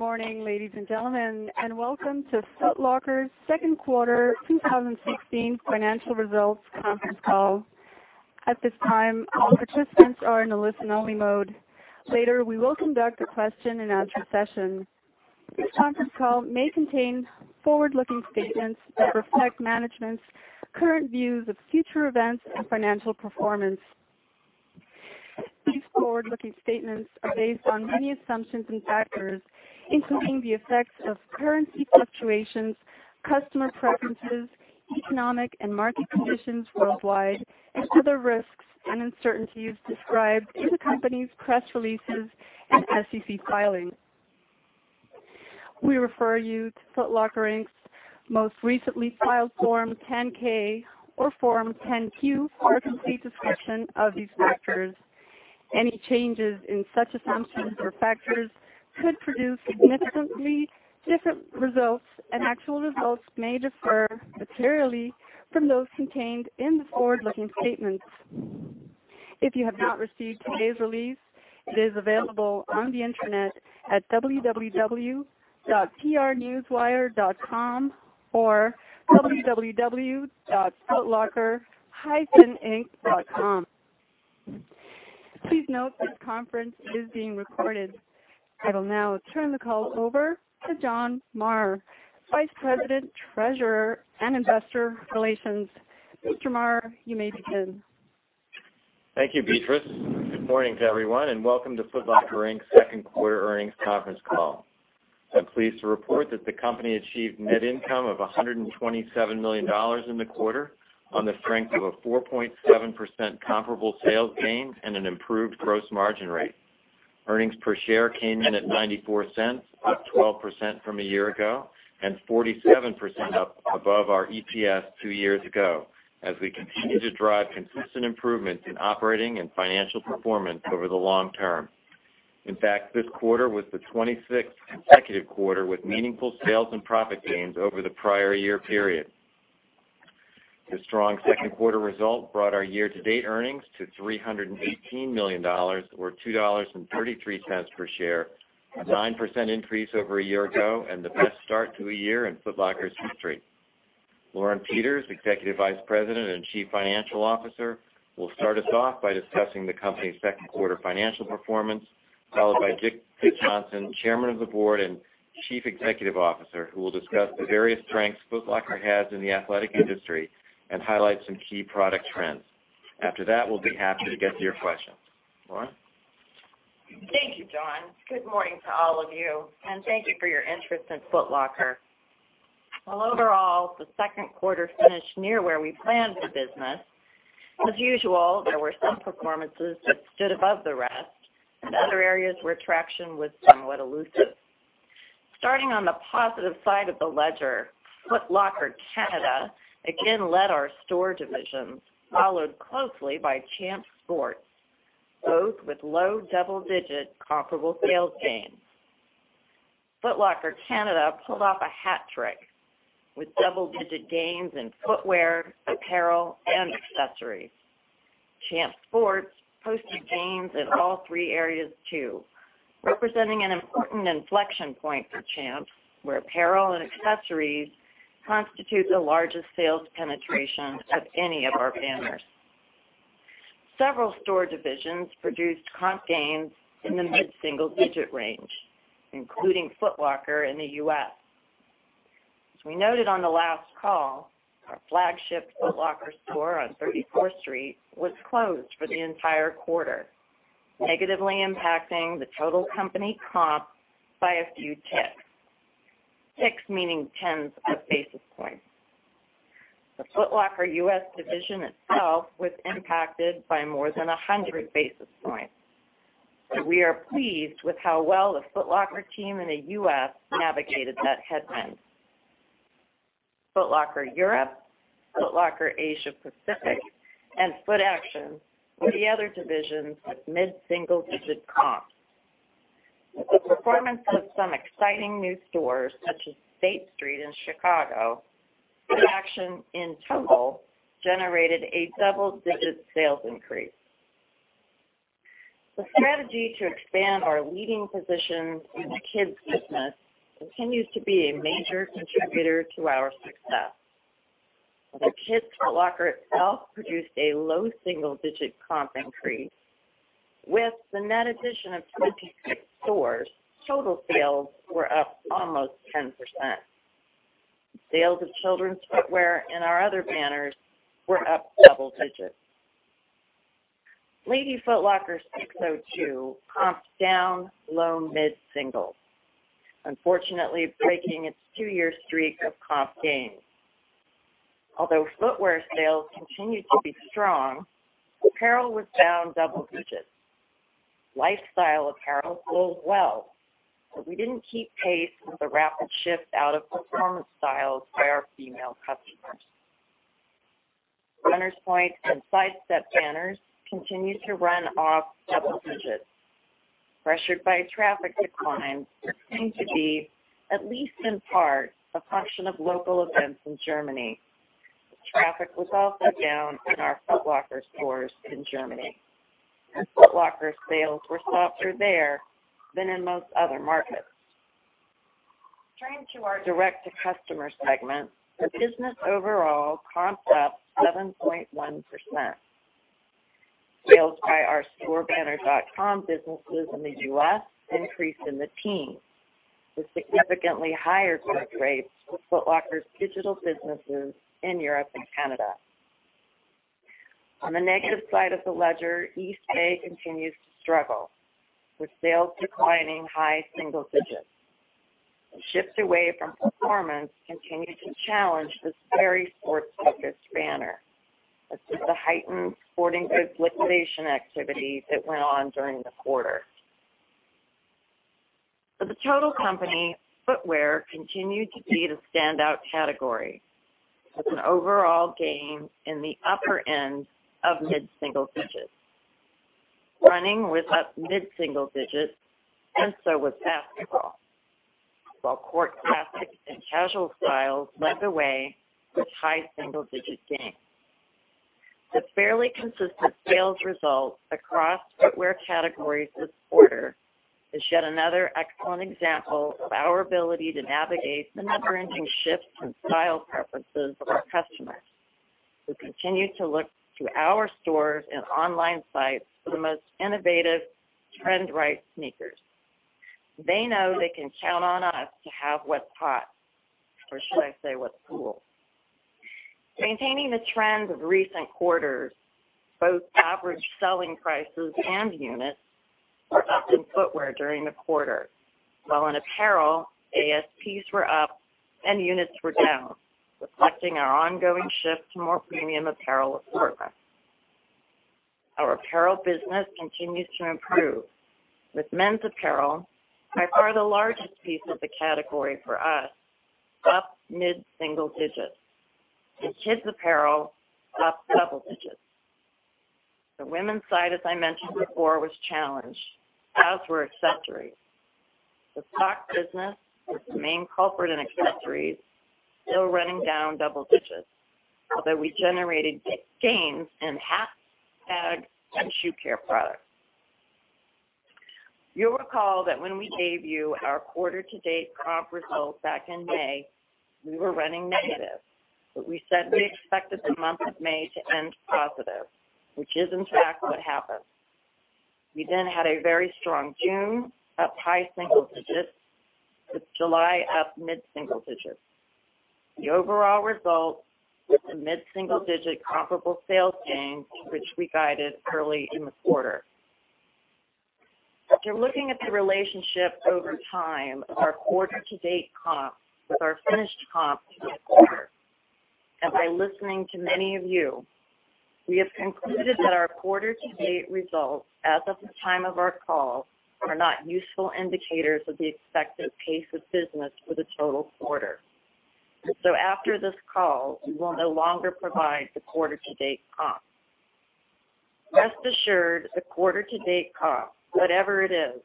Good morning, ladies and gentlemen, and welcome to Foot Locker's second quarter 2016 financial results conference call. At this time, all participants are in a listen-only mode. Later, we will conduct a question-and-answer session. This conference call may contain forward-looking statements that reflect management's current views of future events and financial performance. These forward-looking statements are based on many assumptions and factors, including the effects of currency fluctuations, customer preferences, economic and market conditions worldwide, and to the risks and uncertainties described in the company's press releases and SEC filings. We refer you to Foot Locker, Inc.'s most recently filed Form 10-K or Form 10-Q for a complete description of these factors. Any changes in such assumptions or factors could produce significantly different results, and actual results may differ materially from those contained in the forward-looking statements. If you have not received today's release, it is available on the internet at www.prnewswire.com or www.footlocker-inc.com. Please note this conference is being recorded. I will now turn the call over to John Maurer, Vice President, Treasurer, and Investor Relations. Mr. Maurer, you may begin. Thank you, Beatrice. Good morning to everyone, and welcome to Foot Locker, Inc.'s second quarter earnings conference call. I'm pleased to report that the company achieved net income of $127 million in the quarter on the strength of a 4.7% comparable sales gain and an improved gross margin rate. Earnings per share came in at $0.94, up 12% from a year ago, and 47% up above our EPS two years ago, as we continue to drive consistent improvements in operating and financial performance over the long term. In fact, this quarter was the 26th consecutive quarter with meaningful sales and profit gains over the prior year period. The strong second quarter result brought our year-to-date earnings to $318 million, or $2.33 per share, a 9% increase over a year ago and the best start to a year in Foot Locker's history. Lauren Peters, Executive Vice President and Chief Financial Officer, will start us off by discussing the company's second quarter financial performance, followed by Dick Johnson, Chairman of the Board and Chief Executive Officer, who will discuss the various strengths Foot Locker has in the athletic industry and highlight some key product trends. After that, we'll be happy to get to your questions. Lauren? Thank you, John. Good morning to all of you, and thank you for your interest in Foot Locker. While overall, the second quarter finished near where we planned the business, as usual, there were some performances that stood above the rest and other areas where traction was somewhat elusive. Starting on the positive side of the ledger, Foot Locker Canada again led our store divisions, followed closely by Champs Sports, both with low double-digit comparable sales gains. Foot Locker Canada pulled off a hat trick with double-digit gains in footwear, apparel, and accessories. Champs Sports posted gains in all three areas too, representing an important inflection point for Champs, where apparel and accessories constitute the largest sales penetration of any of our banners. Several store divisions produced comp gains in the mid-single-digit range, including Foot Locker in the U.S. As we noted on the last call, our flagship Foot Locker store on 34th Street was closed for the entire quarter, negatively impacting the total company comp by a few ticks. Ticks meaning tens of basis points. The Foot Locker U.S. division itself was impacted by more than 100 basis points. We are pleased with how well the Foot Locker team in the U.S. navigated that headwind. Foot Locker Europe, Foot Locker Asia-Pacific, and Footaction were the other divisions with mid-single-digit comps. With the performance of some exciting new stores, such as State Street in Chicago, Footaction in total generated a double-digit sales increase. The strategy to expand our leading positions in the kids business continues to be a major contributor to our success. The Kids Foot Locker itself produced a low single-digit comp increase. With the net addition of 56 stores, total sales were up almost 10%. Sales of children's footwear in our other banners were up double digits. Lady Foot Locker/SIX:02 comped down low mid-single. Unfortunately, breaking its two-year streak of comp gains. Although footwear sales continued to be strong, apparel was down double digits. Lifestyle apparel sold well, we didn't keep pace with the rapid shift out of performance styles by our female customers. Runners Point and Sidestep banners continue to run off double digits, pressured by traffic declines that seem to be, at least in part, a function of local events in Germany. Traffic was also down in our Foot Locker stores in Germany, Foot Locker sales were softer there than in most other markets. Turning to our direct-to-customer segment, the business overall comped up 7.1%. Sales by our store-banner.com businesses in the U.S. increased in the teens, with significantly higher growth rates for Foot Locker's digital businesses in Europe and Canada. On the negative side of the ledger, Eastbay continues to struggle, with sales declining high single digits. A shift away from performance continued to challenge this very sports-focused banner, assisted by heightened sporting goods liquidation activity that went on during the quarter. For the total company, footwear continued to be the standout category, with an overall gain in the upper end of mid-single digits. Running was up mid-single digits, and so was basketball, while court classics and casual styles led the way with high single-digit gains. The fairly consistent sales results across footwear categories this quarter is yet another excellent example of our ability to navigate the never-ending shifts in style preferences of our customers, who continue to look to our stores and online sites for the most innovative, trend-right sneakers. They know they can count on us to have what's hot, or should I say, what's cool. Maintaining the trend of recent quarters, both average selling prices and units were up in footwear during the quarter, while in apparel, ASPs were up and units were down, reflecting our ongoing shift to more premium apparel assortment. Our apparel business continues to improve, with men's apparel, by far the largest piece of the category for us, up mid-single digits. Kids apparel up double digits. The women's side, as I mentioned before, was challenged, as were accessories. The sock business was the main culprit in accessories, still running down double digits, although we generated gains in hats, bags, and shoe care products. You'll recall that when we gave you our quarter-to-date comp results back in May, we were running negative. We said we expected the month of May to end positive, which is in fact what happened. We then had a very strong June, up high single digits, with July up mid-single digits. The overall result was a mid-single-digit comparable sales gain, which we guided early in the quarter. After looking at the relationship over time of our quarter-to-date comps with our finished comps for the quarter, and by listening to many of you, we have concluded that our quarter-to-date results as of the time of our call are not useful indicators of the expected pace of business for the total quarter. After this call, we will no longer provide the quarter-to-date comps. Rest assured, the quarter-to-date comps, whatever it is,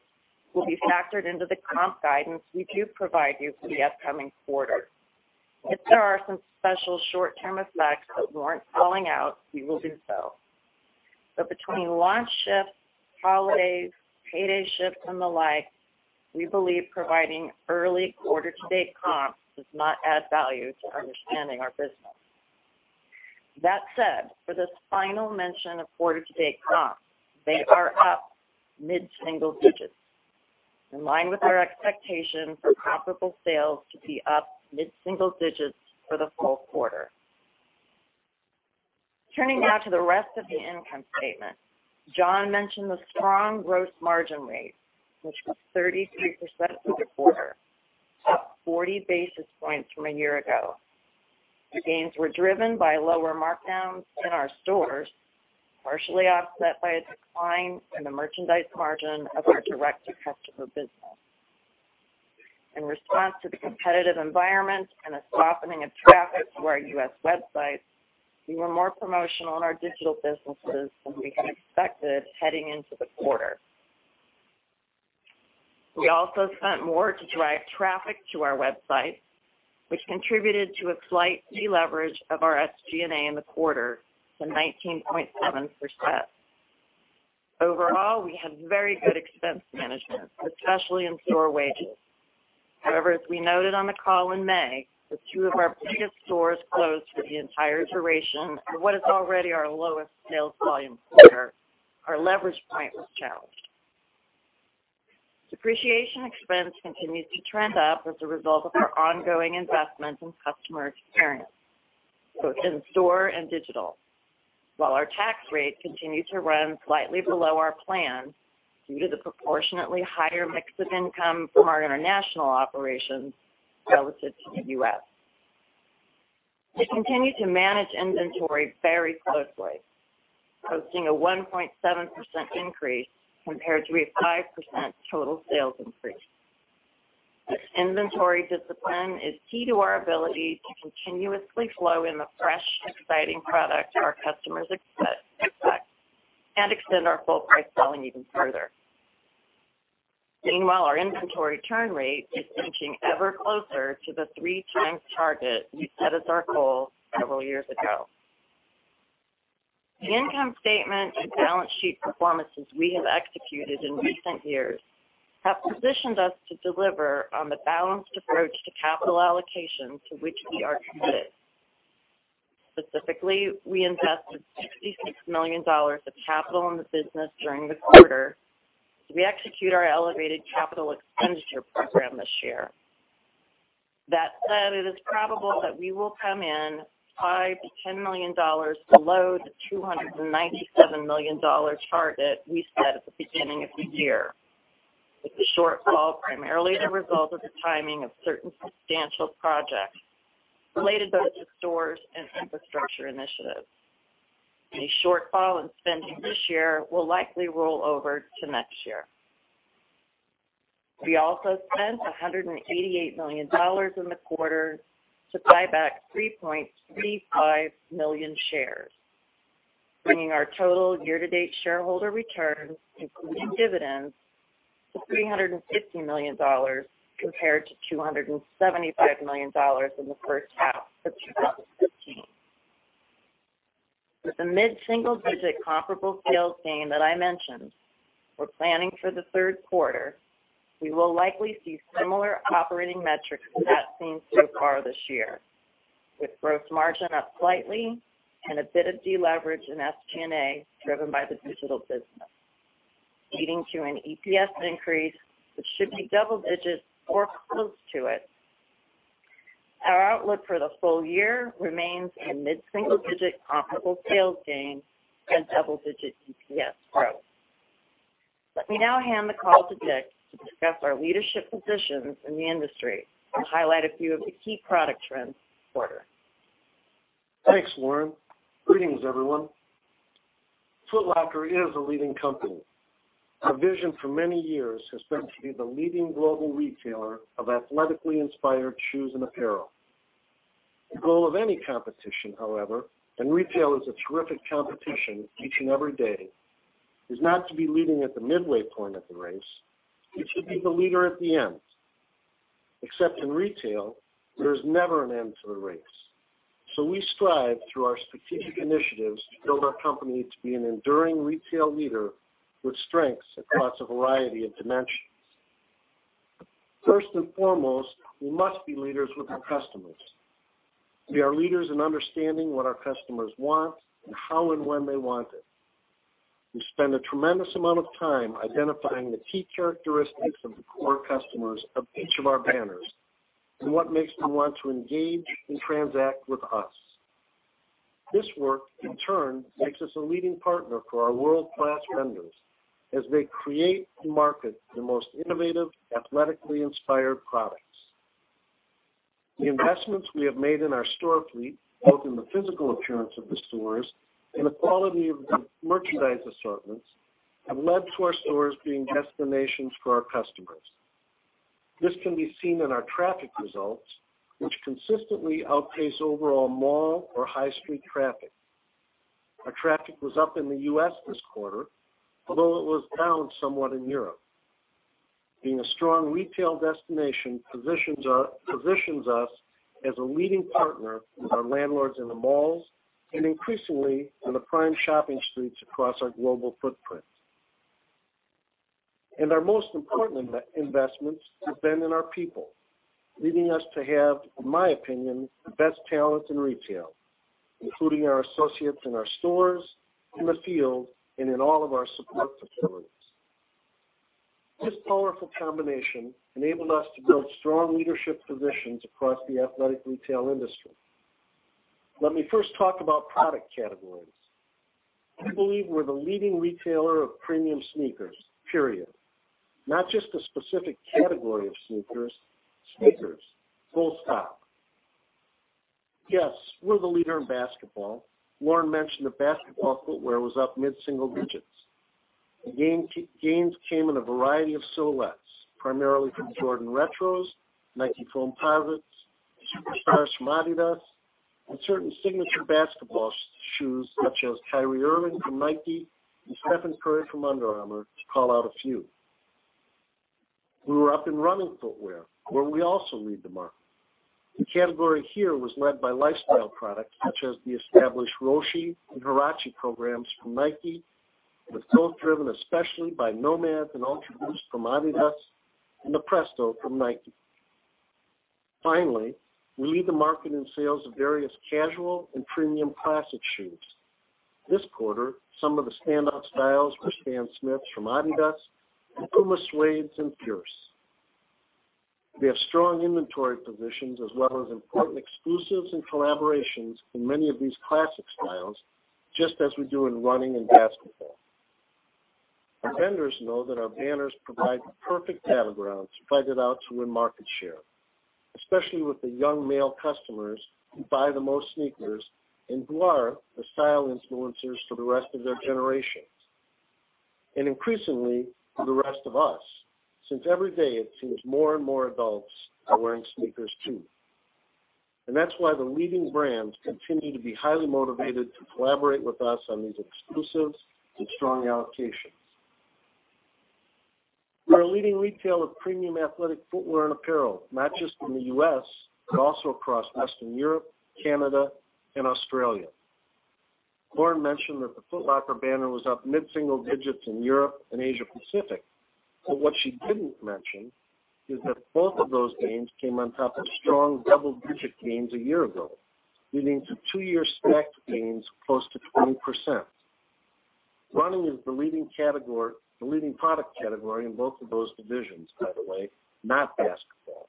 will be factored into the comp guidance we do provide you for the upcoming quarter. If there are some special short-term effects that warrant calling out, we will do so. Between launch shifts, holidays, payday shifts, and the like, we believe providing early quarter-to-date comps does not add value to understanding our business. That said, for this final mention of quarter-to-date comps, they are up mid-single digits, in line with our expectation for comparable sales to be up mid-single digits for the full quarter. Turning now to the rest of the income statement. John mentioned the strong gross margin rate, which was 33% for the quarter, up 40 basis points from a year ago. The gains were driven by lower markdowns in our stores, partially offset by a decline in the merchandise margin of our direct-to-customer business. In response to the competitive environment and a softening of traffic to our U.S. website, we were more promotional in our digital businesses than we had expected heading into the quarter. We also spent more to drive traffic to our website, which contributed to a slight deleverage of our SG&A in the quarter to 19.7%. Overall, we had very good expense management, especially in store wages. However, as we noted on the call in May, with two of our biggest stores closed for the entire duration of what is already our lowest sales volume quarter, our leverage point was challenged. Depreciation expense continues to trend up as a result of our ongoing investment in customer experience, both in store and digital. While our tax rate continued to run slightly below our plan due to the proportionately higher mix of income from our international operations relative to the U.S. We continue to manage inventory very closely, posting a 1.7% increase compared to a 5% total sales increase. Inventory discipline is key to our ability to continuously flow in the fresh, exciting product our customers expect, and extend our full price selling even further. Meanwhile, our inventory turn rate is inching ever closer to the three times target we set as our goal several years ago. The income statement and balance sheet performances we have executed in recent years have positioned us to deliver on the balanced approach to capital allocation to which we are committed. Specifically, we invested $66 million of capital in the business during the quarter as we execute our elevated capital expenditure program this year. That said, it is probable that we will come in $5 million to $10 million below the $297 million target we set at the beginning of the year, with the shortfall primarily the result of the timing of certain substantial projects related both to stores and infrastructure initiatives. Any shortfall in spending this year will likely roll over to next year. We also spent $188 million in the quarter to buy back 3.35 million shares, bringing our total year-to-date shareholder returns, including dividends, to $350 million, compared to $275 million in the first half of 2015. With the mid-single-digit comparable sales gain that I mentioned we're planning for the third quarter, we will likely see similar operating metrics to that seen so far this year, with gross margin up slightly and a bit of deleverage in SG&A driven by the digital business, leading to an EPS increase that should be double digits or close to it. Our outlook for the full year remains a mid-single-digit comparable sales gain and double-digit EPS growth. Let me now hand the call to Dick to discuss our leadership positions in the industry and highlight a few of the key product trends this quarter. Thanks, Lauren. Greetings, everyone. Foot Locker is a leading company. Our vision for many years has been to be the leading global retailer of athletically inspired shoes and apparel. The goal of any competition, however, and retail is a terrific competition each and every day, is not to be leading at the midway point of the race. It's to be the leader at the end. Except in retail, there's never an end to the race. We strive through our strategic initiatives to build our company to be an enduring retail leader with strengths across a variety of dimensions. First and foremost, we must be leaders with our customers. We are leaders in understanding what our customers want and how and when they want it. We spend a tremendous amount of time identifying the key characteristics of the core customers of each of our banners and what makes them want to engage and transact with us. This work, in turn, makes us a leading partner for our world-class vendors as they create and market the most innovative, athletically inspired products. The investments we have made in our store fleet, both in the physical appearance of the stores and the quality of the merchandise assortments, have led to our stores being destinations for our customers. This can be seen in our traffic results, which consistently outpace overall mall or high street traffic. Our traffic was up in the U.S. this quarter, although it was down somewhat in Europe. Being a strong retail destination positions us as a leading partner with our landlords in the malls and increasingly on the prime shopping streets across our global footprint. Our most important investments have been in our people, leading us to have, in my opinion, the best talent in retail, including our associates in our stores, in the field, and in all of our support facilities. This powerful combination enabled us to build strong leadership positions across the athletic retail industry. Let me first talk about product categories. We believe we're the leading retailer of premium sneakers, period. Not just a specific category of sneakers. Sneakers, full stop. Yes, we're the leader in basketball. Lauren mentioned that basketball footwear was up mid-single digits. The gains came in a variety of silhouettes, primarily from Jordan Retros, Nike Foamposites, Superstars from adidas, and certain signature basketball shoes such as Kyrie Irving from Nike and Stephen Curry from Under Armour, to call out a few. We were up in running footwear, where we also lead the market. The category here was led by lifestyle products such as the established Roshe and Huarache programs from Nike, with growth driven especially by NMDs and Ultraboosts from adidas and the Presto from Nike. Finally, we lead the market in sales of various casual and premium classic shoes. This quarter, some of the standout styles were Stan Smiths from adidas and Puma Suedes and Fierce. We have strong inventory positions as well as important exclusives and collaborations in many of these classic styles, just as we do in running and basketball. Our vendors know that our banners provide the perfect battleground to fight it out to win market share, especially with the young male customers who buy the most sneakers and who are the style influencers for the rest of their generations. Increasingly, for the rest of us, since every day it seems more and more adults are wearing sneakers, too. That's why the leading brands continue to be highly motivated to collaborate with us on these exclusives and strong allocations. We're a leading retailer of premium athletic footwear and apparel, not just in the U.S., but also across Western Europe, Canada, and Australia. Lauren mentioned that the Foot Locker banner was up mid-single digits in Europe and Asia Pacific. What she didn't mention is that both of those gains came on top of strong double-digit gains a year ago, leading to two-year stacked gains close to 20%. Running is the leading product category in both of those divisions, by the way, not basketball.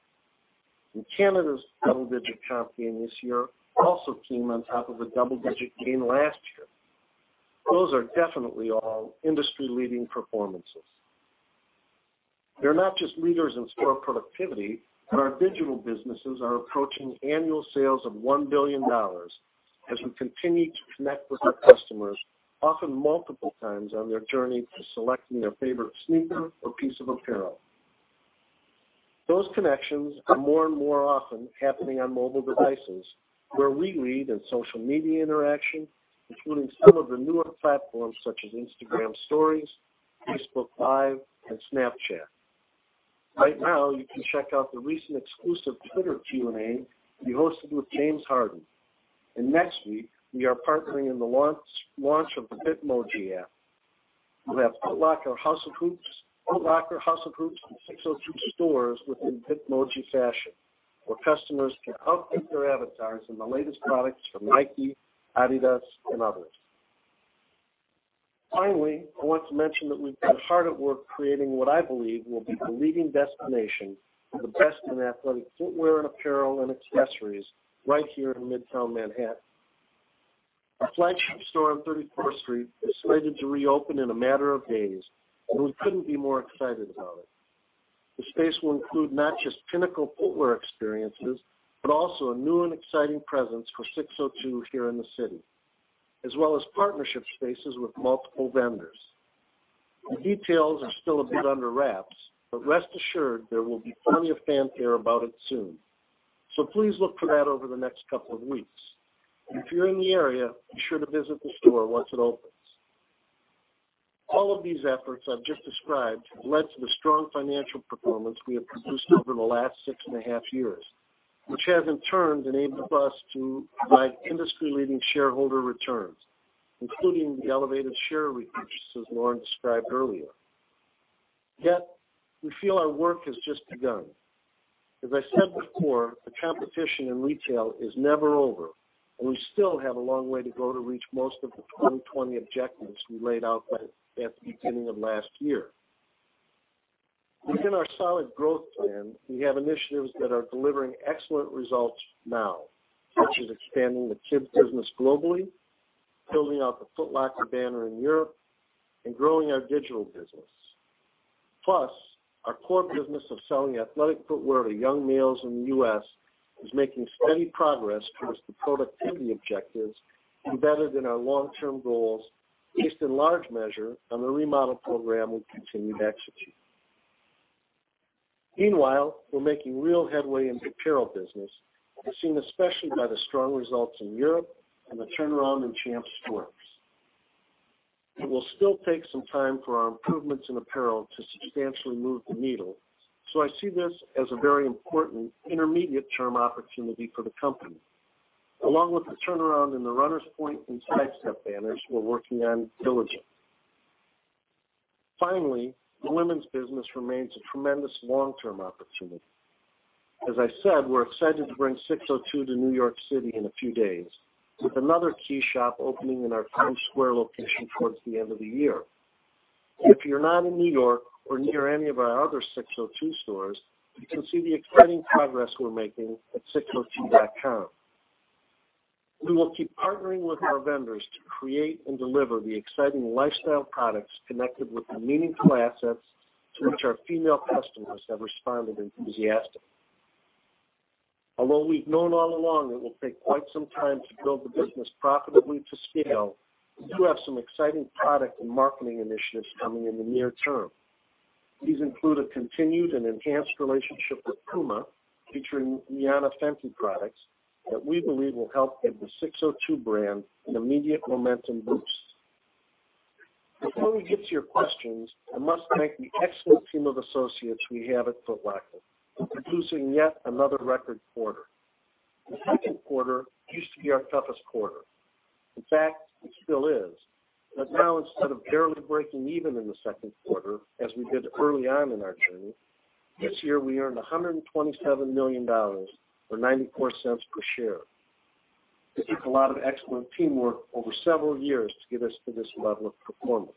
Canada's double-digit comp gain this year also came on top of a double-digit gain last year. Those are definitely all industry-leading performances. They're not just leaders in store productivity, but our digital businesses are approaching annual sales of $1 billion as we continue to connect with our customers, often multiple times on their journey to selecting their favorite sneaker or piece of apparel. Those connections are more and more often happening on mobile devices, where we lead in social media interaction, including some of the newer platforms such as Instagram Stories, Facebook Live, and Snapchat. Right now, you can check out the recent exclusive Twitter Q&A we hosted with James Harden. Next week, we are partnering in the launch of the Bitmoji app. We'll have Foot Locker House of Hoops and SIX:02 stores within Bitmoji Fashion, where customers can outfit their avatars in the latest products from Nike, adidas, and others. Finally, I want to mention that we've been hard at work creating what I believe will be the leading destination for the best in athletic footwear and apparel and accessories right here in Midtown Manhattan. Our flagship store on 34th Street is slated to reopen in a matter of days, and we couldn't be more excited about it. The space will include not just pinnacle footwear experiences, but also a new and exciting presence for SIX:02 here in the city, as well as partnership spaces with multiple vendors. The details are still a bit under wraps, but rest assured there will be plenty of fanfare about it soon. Please look for that over the next couple of weeks. If you're in the area, be sure to visit the store once it opens. All of these efforts I've just described have led to the strong financial performance we have produced over the last six and a half years, which has in turn enabled us to provide industry-leading shareholder returns, including the elevated share repurchases Lauren described earlier. Yet, we feel our work has just begun. As I said before, the competition in retail is never over, and we still have a long way to go to reach most of the 2020 objectives we laid out at the beginning of last year. Within our solid growth plan, we have initiatives that are delivering excellent results now, such as expanding the kids business globally, building out the Foot Locker banner in Europe, and growing our digital business. Our core business of selling athletic footwear to young males in the U.S. is making steady progress towards the productivity objectives embedded in our long-term goals, based in large measure on the remodel program we've continued to execute. Meanwhile, we're making real headway in the apparel business, as seen especially by the strong results in Europe and the turnaround in Champs Sports. It will still take some time for our improvements in apparel to substantially move the needle, so I see this as a very important intermediate-term opportunity for the company, along with the turnaround in the Runners Point and Sidestep banners we're working on diligently. Finally, the women's business remains a tremendous long-term opportunity. As I said, we're excited to bring SIX:02 to New York City in a few days, with another key shop opening in our Times Square location towards the end of the year. If you're not in New York or near any of our other SIX:02 stores, you can see the exciting progress we're making at six02.com. We will keep partnering with our vendors to create and deliver the exciting lifestyle products connected with the meaningful assets to which our female customers have responded enthusiastically. Although we've known all along it will take quite some time to build the business profitably to scale, we do have some exciting product and marketing initiatives coming in the near term. These include a continued and enhanced relationship with Puma, featuring Rihanna Fenty products that we believe will help give the SIX:02 brand an immediate momentum boost. Before we get to your questions, I must thank the excellent team of associates we have at Foot Locker for producing yet another record quarter. The second quarter used to be our toughest quarter. Now instead of barely breaking even in the second quarter, as we did early on in our journey, this year we earned $127 million or $0.94 per share. It took a lot of excellent teamwork over several years to get us to this level of performance.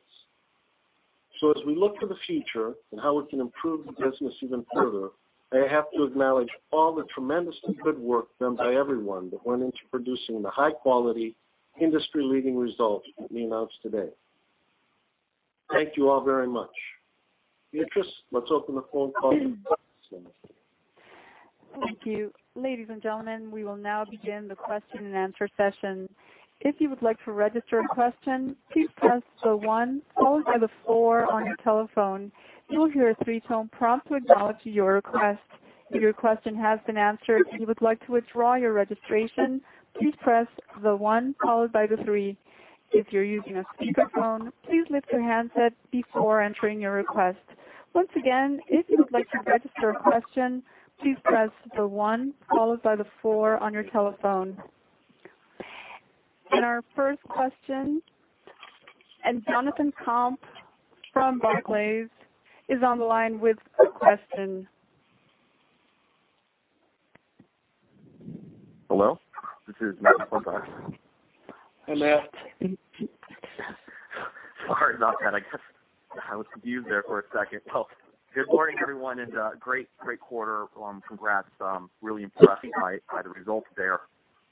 As we look to the future and how we can improve the business even further, I have to acknowledge all the tremendously good work done by everyone that went into producing the high-quality, industry-leading results that we announced today. Thank you all very much. Beatrice, let's open the phone call to questions. Thank you. Ladies and gentlemen, we will now begin the question and answer session. If you would like to register a question, please press the one followed by the four on your telephone. You will hear a three-tone prompt to acknowledge your request. If your question has been answered and you would like to withdraw your registration, please press the one followed by the three. If you're using a speakerphone, please lift your handset before entering your request. Once again, if you would like to register a question, please press the one followed by the four on your telephone. Our first question, and Jonathan Komp from Barclays is on the line with a question. Hello, this is Matt Komp. Hey, Matt. Sorry about that. I guess I was confused there for a second. Well, good morning, everyone, and great quarter. Congrats. Really impressed by the results there.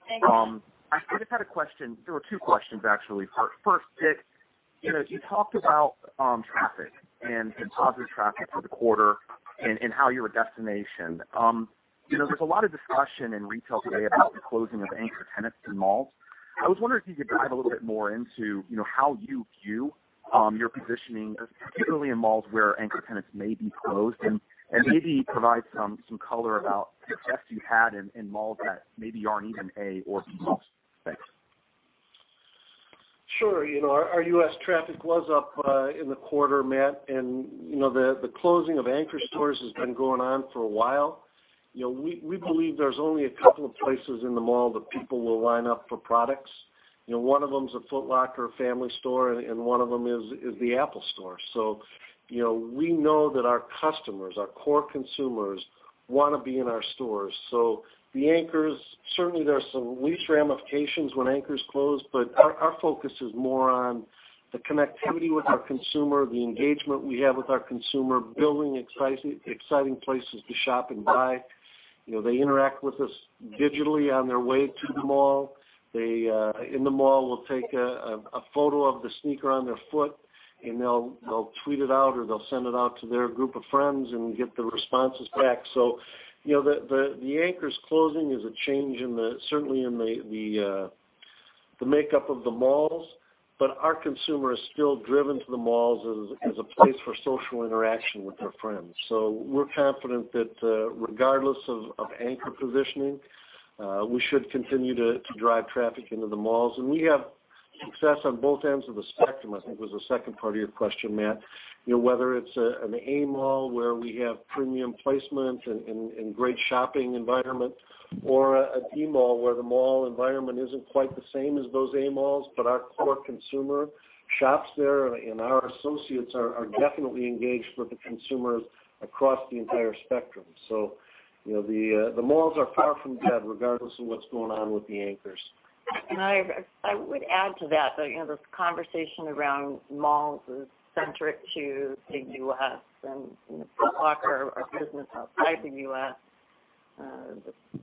Thank you. I just had a question. There were two questions, actually. First, Dick, you talked about traffic and positive traffic for the quarter and how you're a destination. There's a lot of discussion in retail today about the closing of anchor tenants in malls. I was wondering if you could dive a little bit more into how you view your positioning, particularly in malls where anchor tenants may be closed, and maybe provide some color about the tests you had in malls that maybe aren't even A or B malls. Thanks. Sure. Our U.S. traffic was up in the quarter, Matt, the closing of anchor stores has been going on for a while. We believe there's only a couple of places in the mall that people will line up for products. One of them is a Foot Locker family store, and one of them is the Apple store. We know that our customers, our core consumers, want to be in our stores. The anchors, certainly there are some lease ramifications when anchors close, but our focus is more on the connectivity with our consumer, the engagement we have with our consumer, building exciting places to shop and buy. They interact with us digitally on their way to the mall. In the mall, they will take a photo of the sneaker on their foot, they'll tweet it out, or they'll send it out to their group of friends and get the responses back. The anchors closing is a change certainly in the makeup of the malls, but our consumer is still driven to the malls as a place for social interaction with their friends. We're confident that regardless of anchor positioning, we should continue to drive traffic into the malls. We have success on both ends of the spectrum, I think was the second part of your question, Matt. Whether it's an A mall where we have premium placement and great shopping environment or a B mall where the mall environment isn't quite the same as those A malls, our core consumer shops there, our associates are definitely engaged with the consumers across the entire spectrum. The malls are far from dead regardless of what's going on with the anchors. I would add to that. This conversation around malls is centric to the U.S. and Foot Locker, our business outside the U.S.,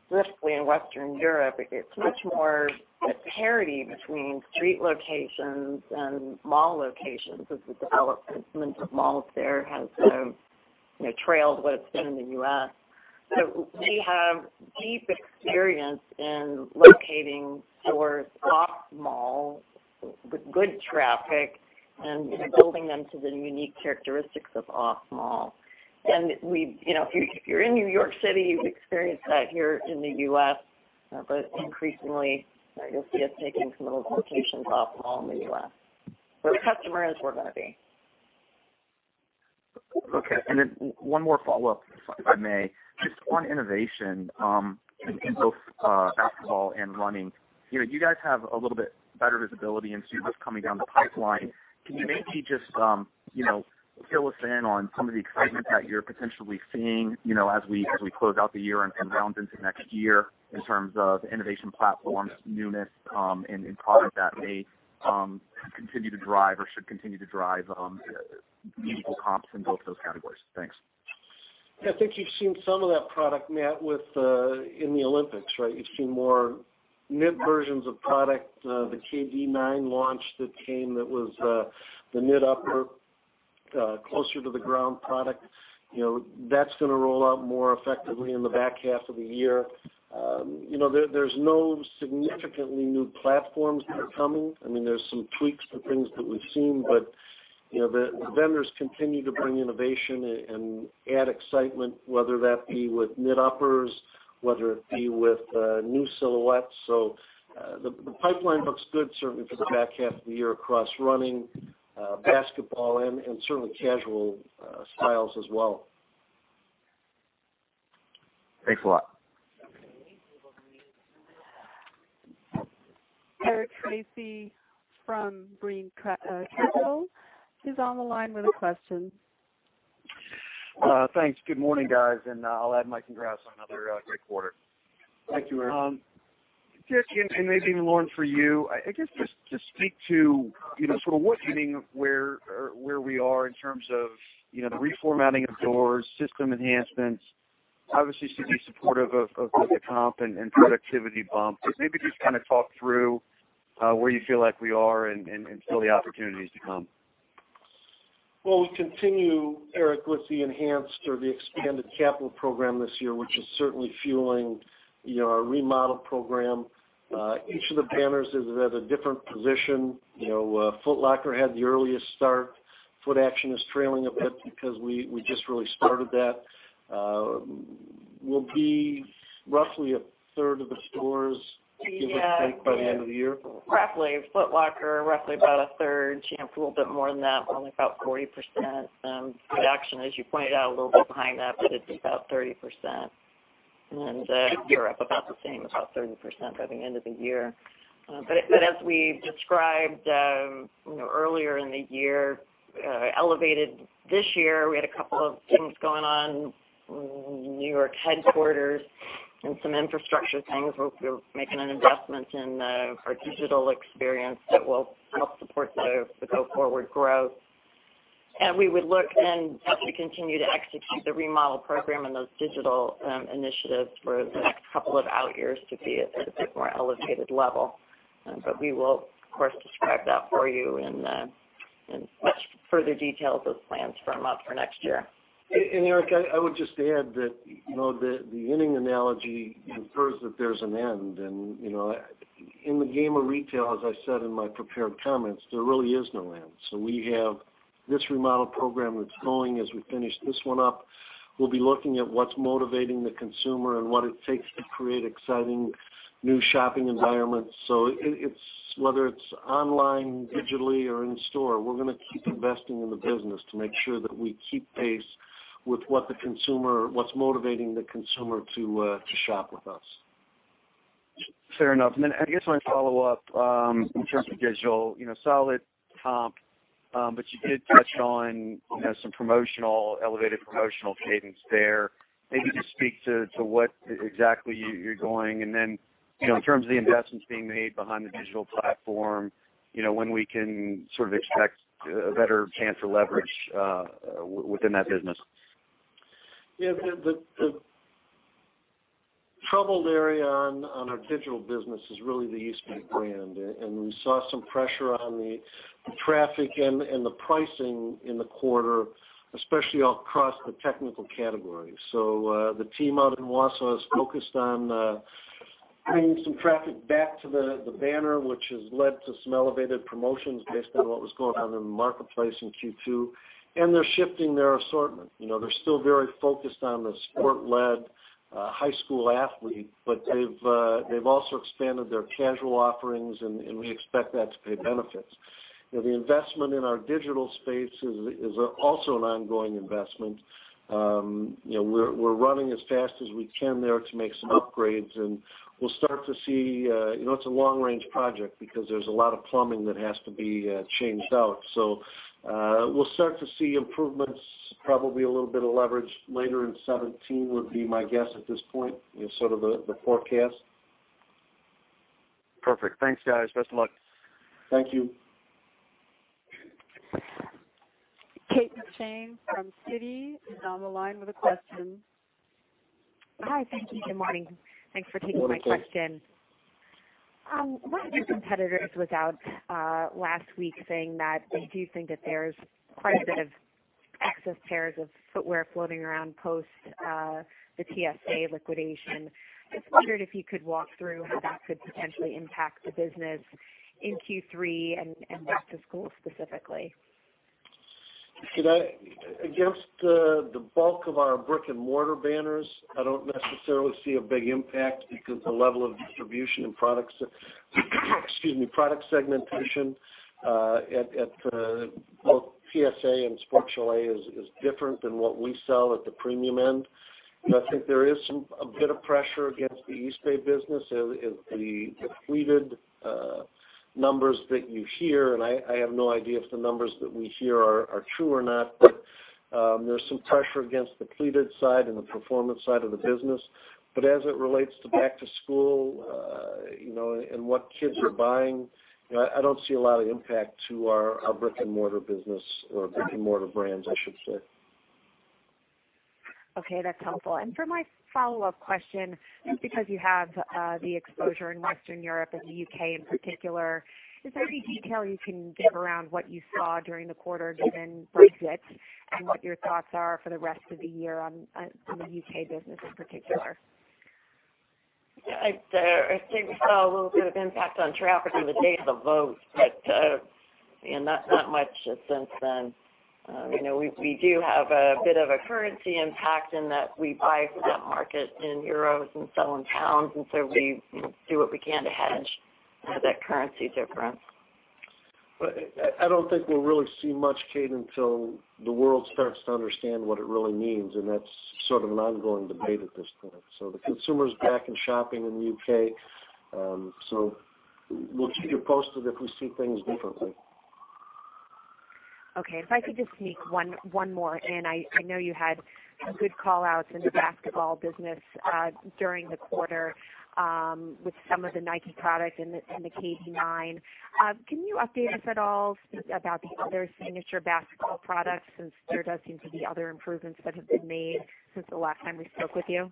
specifically in Western Europe. It's much more a parity between street locations and mall locations as the development of malls there has trailed what it's been in the U.S. We have deep experience in locating stores off-mall with good traffic and building them to the unique characteristics of off-mall. If you're in New York City, you've experienced that here in the U.S. Increasingly, you'll see us taking some of those locations off-mall in the U.S. Where the customer is, we're going to be. Okay, one more follow-up, if I may. Just on innovation in both basketball and running. You guys have a little bit better visibility into what's coming down the pipeline. Can you maybe just fill us in on some of the excitement that you're potentially seeing as we close out the year and round into next year in terms of innovation platforms, newness, and product that may continue to drive or should continue to drive meaningful comps in both those categories? Thanks. I think you've seen some of that product, Matt, in the Olympics, right? You've seen more knit versions of product. The KD 9 launch that came that was the knit upper, closer to the ground product. That's going to roll out more effectively in the back half of the year. There's no significantly new platforms that are coming. There's some tweaks to things that we've seen, the vendors continue to bring innovation and add excitement, whether that be with knit uppers, whether it be with new silhouettes. The pipeline looks good certainly for the back half of the year across running, basketball, and certainly casual styles as well. Thanks a lot. Eric Tracy from Brean Capital. He's on the line with a question. Thanks. Good morning, guys. I'll add my congrats on another great quarter. Thank you, Eric. Dick, maybe Lauren, for you. I guess just speak to sort of what you think where we are in terms of the reformatting of doors, system enhancements, obviously should be supportive of the comp and productivity bump. Maybe just kind of talk through where you feel like we are and sort of the opportunities to come. Well, we continue, Eric, with the enhanced or the expanded capital program this year, which is certainly fueling our remodel program. Each of the banners is at a different position. Foot Locker had the earliest start. Footaction is trailing a bit because we just really started that. We'll be roughly a third of the stores, give or take, by the end of the year. Roughly. Foot Locker, roughly about a third. Champs a little bit more than that, probably about 40%. Footaction, as you pointed out, a little bit behind that, but it's about 30%. Europe about the same, about 30% by the end of the year. As we described earlier in the year, elevated this year, we had a couple of things going on. New York headquarters and some infrastructure things. We're making an investment in our digital experience that will help support the go-forward growth. We would look then as we continue to execute the remodel program and those digital initiatives for the next couple of out years to be at a bit more elevated level. We will, of course, describe that for you in much further detail as those plans firm up for next year. Eric, I would just add that the inning analogy infers that there's an end. In the game of retail, as I said in my prepared comments, there really is no end. We have this remodel program that's going. As we finish this one up, we'll be looking at what's motivating the consumer and what it takes to create exciting new shopping environments. Whether it's online, digitally, or in store, we're going to keep investing in the business to make sure that we keep pace with what's motivating the consumer to shop with us. Fair enough. Then I guess my follow-up in terms of digital. Solid comp. You did touch on some promotional, elevated promotional cadence there. Maybe just speak to what exactly you're going. Then, in terms of the investments being made behind the digital platform, when we can sort of expect a better chance of leverage within that business. Yeah. The troubled area on our digital business is really the Eastbay brand. We saw some pressure on the traffic and the pricing in the quarter, especially across the technical category. The team out in Wausau is focused on bringing some traffic back to the banner, which has led to some elevated promotions based on what was going on in the marketplace in Q2. They're shifting their assortment. They're still very focused on the sport-led high school athlete, but they've also expanded their casual offerings, and we expect that to pay benefits. The investment in our digital space is also an ongoing investment. We're running as fast as we can there to make some upgrades. It's a long-range project because there's a lot of plumbing that has to be changed out. We'll start to see improvements, probably a little bit of leverage later in 2017 would be my guess at this point in sort of the forecast. Perfect. Thanks, guys. Best of luck. Thank you. Kate McShane from Citi is on the line with a question. Hi. Thank you. Good morning. Thanks for taking my question. One of your competitors was out last week saying that they do think that there's quite a bit of excess pairs of footwear floating around post the TSA liquidation. Just wondered if you could walk through how that could potentially impact the business in Q3 and back to school specifically. Against the bulk of our brick-and-mortar banners, I don't necessarily see a big impact because the level of distribution and product segmentation at both TSA and Sport Chalet is different than what we sell at the premium end. I think there is a bit of pressure against the Eastbay business. The liquidated numbers that you hear, and I have no idea if the numbers that we hear are true or not, there's some pressure against the liquidated side and the performance side of the business. As it relates to back to school and what kids are buying, I don't see a lot of impact to our brick-and-mortar business or brick-and-mortar brands, I should say. Okay. That's helpful. For my follow-up question, just because you have the exposure in Western Europe and the U.K. in particular, is there any detail you can give around what you saw during the quarter given Brexit and what your thoughts are for the rest of the year on the U.K. business in particular? I'd say we saw a little bit of impact on traffic on the day of the vote, but not much since then. We do have a bit of a currency impact in that we buy for that market in euros and sell in pounds, we do what we can to hedge that currency difference. I don't think we'll really see much, Kate, until the world starts to understand what it really means, and that's sort of an ongoing debate at this point. The consumer's back and shopping in the U.K. We'll keep you posted if we see things differently. Okay. If I could just sneak one more in. I know you had good call outs in the basketball business during the quarter with some of the Nike product and the KD 9. Can you update us at all about the other signature basketball products, since there does seem to be other improvements that have been made since the last time we spoke with you?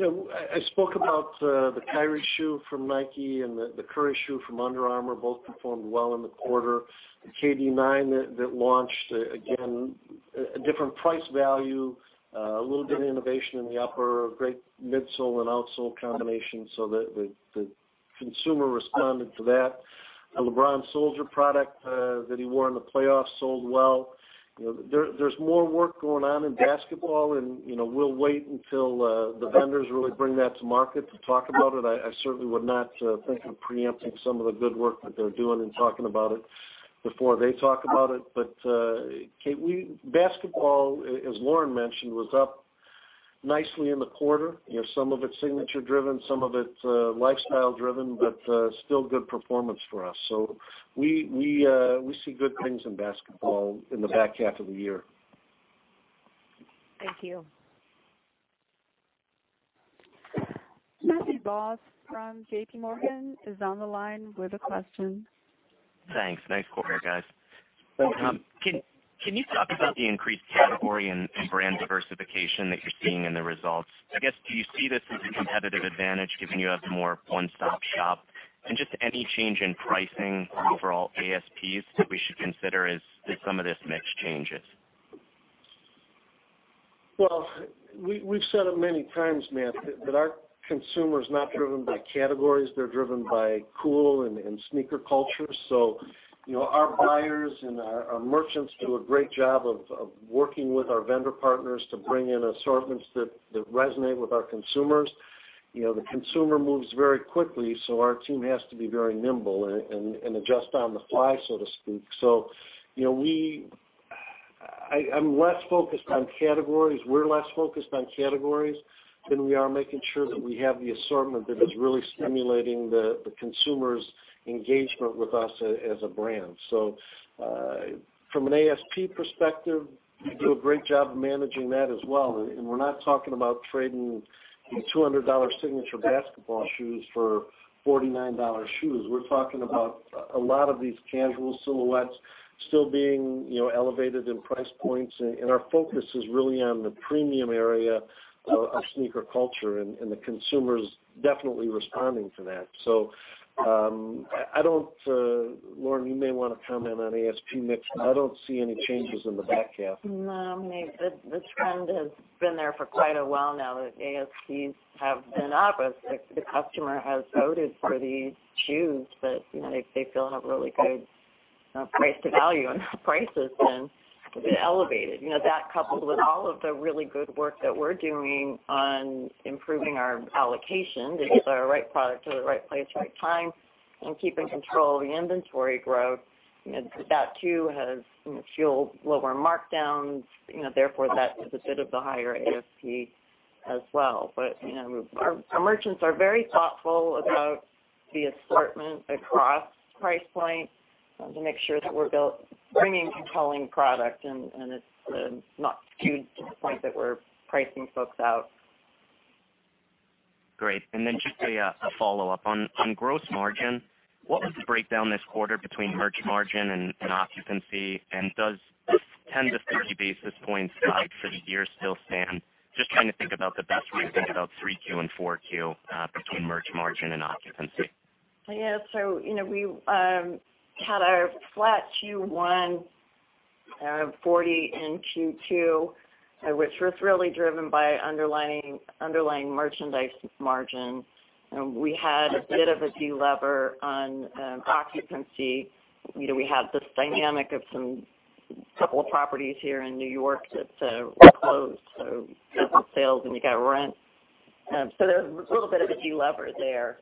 I spoke about the Kyrie shoe from Nike and the Curry shoe from Under Armour. Both performed well in the quarter. The KD 9 that launched, again, a different price value, a little bit of innovation in the upper, a great midsole and outsole combination, the consumer responded to that. The LeBron Soldier product that he wore in the playoffs sold well. There's more work going on in basketball, and we'll wait until the vendors really bring that to market to talk about it. I certainly would not think of preempting some of the good work that they're doing and talking about it before they talk about it. Basketball, as Lauren mentioned, was up nicely in the quarter. Some of it's signature driven, some of it's lifestyle driven, still good performance for us. We see good things in basketball in the back half of the year. Thank you. Matthew Boss from J.P. Morgan is on the line with a question. Thanks. Nice quarter, guys. Can you talk about the increased category and brand diversification that you're seeing in the results? I guess, do you see this as a competitive advantage given you have the more one-stop shop? Just any change in pricing or overall ASPs that we should consider as some of this mix changes? Well, we've said it many times, Matt, that our consumer is not driven by categories. They're driven by cool and sneaker culture. Our buyers and our merchants do a great job of working with our vendor partners to bring in assortments that resonate with our consumers. The consumer moves very quickly, our team has to be very nimble and adjust on the fly, so to speak. I'm less focused on categories. We're less focused on categories than we are making sure that we have the assortment that is really stimulating the consumer's engagement with us as a brand. From an ASP perspective, we do a great job of managing that as well. We're not talking about trading $200 signature basketball shoes for $49 shoes. We're talking about a lot of these casual silhouettes still being elevated in price points. Our focus is really on the premium area of sneaker culture. The consumer's definitely responding to that. Lauren, you may want to comment on ASP mix. I don't see any changes in the back half. No, I mean, this trend has been there for quite a while now, that ASPs have been up as the customer has voted for these shoes that they feel have really good price to value. Prices have been elevated. That coupled with all of the really good work that we're doing on improving our allocation to get the right product to the right place, right time, keeping control of the inventory growth. That too has fueled lower markdowns, therefore that is a bit of the higher ASP as well. Our merchants are very thoughtful about the assortment across price points to make sure that we're bringing compelling product. It's not skewed to the point that we're pricing folks out. Great. Just a follow-up. On gross margin, what was the breakdown this quarter between merch margin and occupancy, does 10-50 basis points guide for the year still stand? Just trying to think about the best way to think about 3Q and 4Q between merch margin and occupancy. We had a flat Q1, 40 basis points in Q2, which was really driven by underlying merchandise margin. We had a bit of a delever on occupancy. We had this dynamic of a couple of properties here in New York that closed. You have sales and you got rent. There was a little bit of a delever there.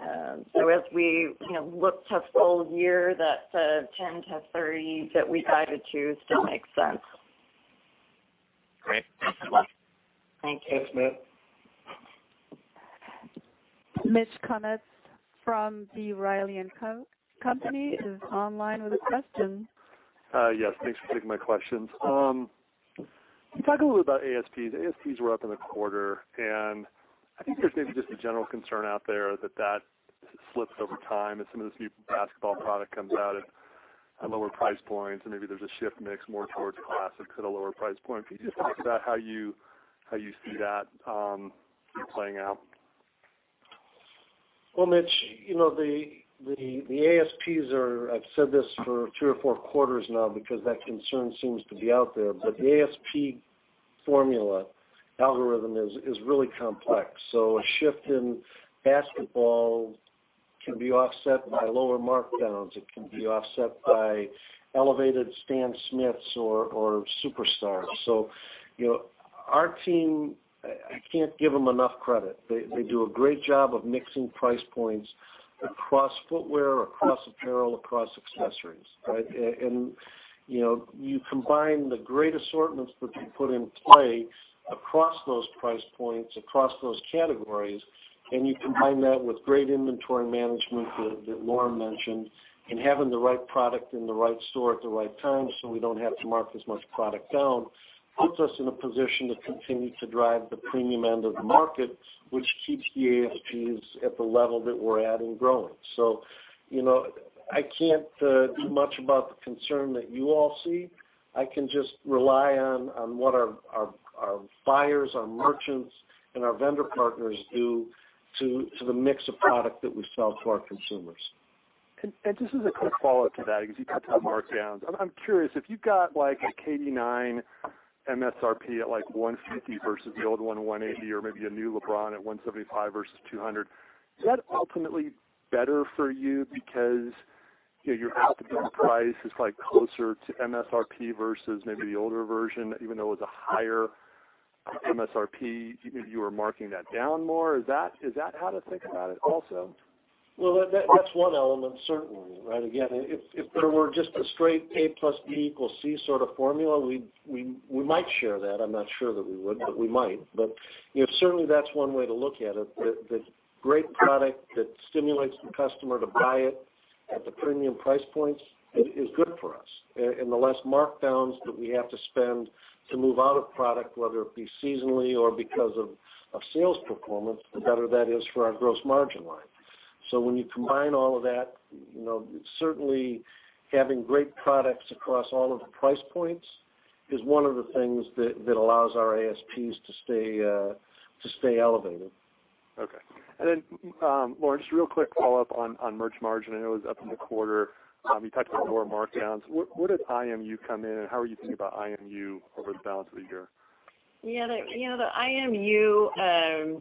As we look to full year, that 10-30 that we guided to still makes sense. Great. Thanks a lot. Thanks, Matt. Mitchel Kummetz from B. Riley & Co. company is online with a question. Yes, thanks for taking my questions. Talk a little about ASPs. ASPs were up in the quarter. I think there's maybe just a general concern out there that that slips over time as some of this new basketball product comes out at lower price points. Maybe there's a shift mix more towards classics at a lower price point. Can you just talk about how you see that playing out? Well, Mitch, the ASPs are, I've said this for three or four quarters now because that concern seems to be out there. The ASP formula algorithm is really complex. A shift in basketball can be offset by lower markdowns. It can be offset by elevated Stan Smiths or Superstars. Our team, I can't give them enough credit. They do a great job of mixing price points across footwear, across apparel, across accessories, right? You combine the great assortments that they put in play across those price points, across those categories. You combine that with great inventory management that Lauren mentioned, and having the right product in the right store at the right time so we don't have to mark as much product down, puts us in a position to continue to drive the premium end of the market. ASP is at the level that we're at and growing. I can't do much about the concern that you all see. I can just rely on what our buyers, our merchants, and our vendor partners do to the mix of product that we sell to our consumers. Just as a quick follow-up to that, because you talked about markdowns. I'm curious if you've got like a KD 9 MSRP at $150 versus the old one, $180 or maybe a new LeBron at $175 versus $200. Is that ultimately better for you because your out the door price is closer to MSRP versus maybe the older version, even though it was a higher MSRP, you are marking that down more. Is that how to think about it also? Well, that's one element, certainly, right. Again, if there were just a straight A plus B equals C sort of formula, we might share that. I'm not sure that we would, but we might. Certainly that's one way to look at it, that great product that stimulates the customer to buy it at the premium price points is good for us. The less markdowns that we have to spend to move out of product, whether it be seasonally or because of sales performance, the better that is for our gross margin line. When you combine all of that, certainly having great products across all of the price points is one of the things that allows our ASPs to stay elevated. Okay. Then, Lauren, just real quick follow-up on merch margin. I know it was up in the quarter. You talked about lower markdowns. Where did IMU come in and how are you thinking about IMU over the balance of the year? Yeah. The IMU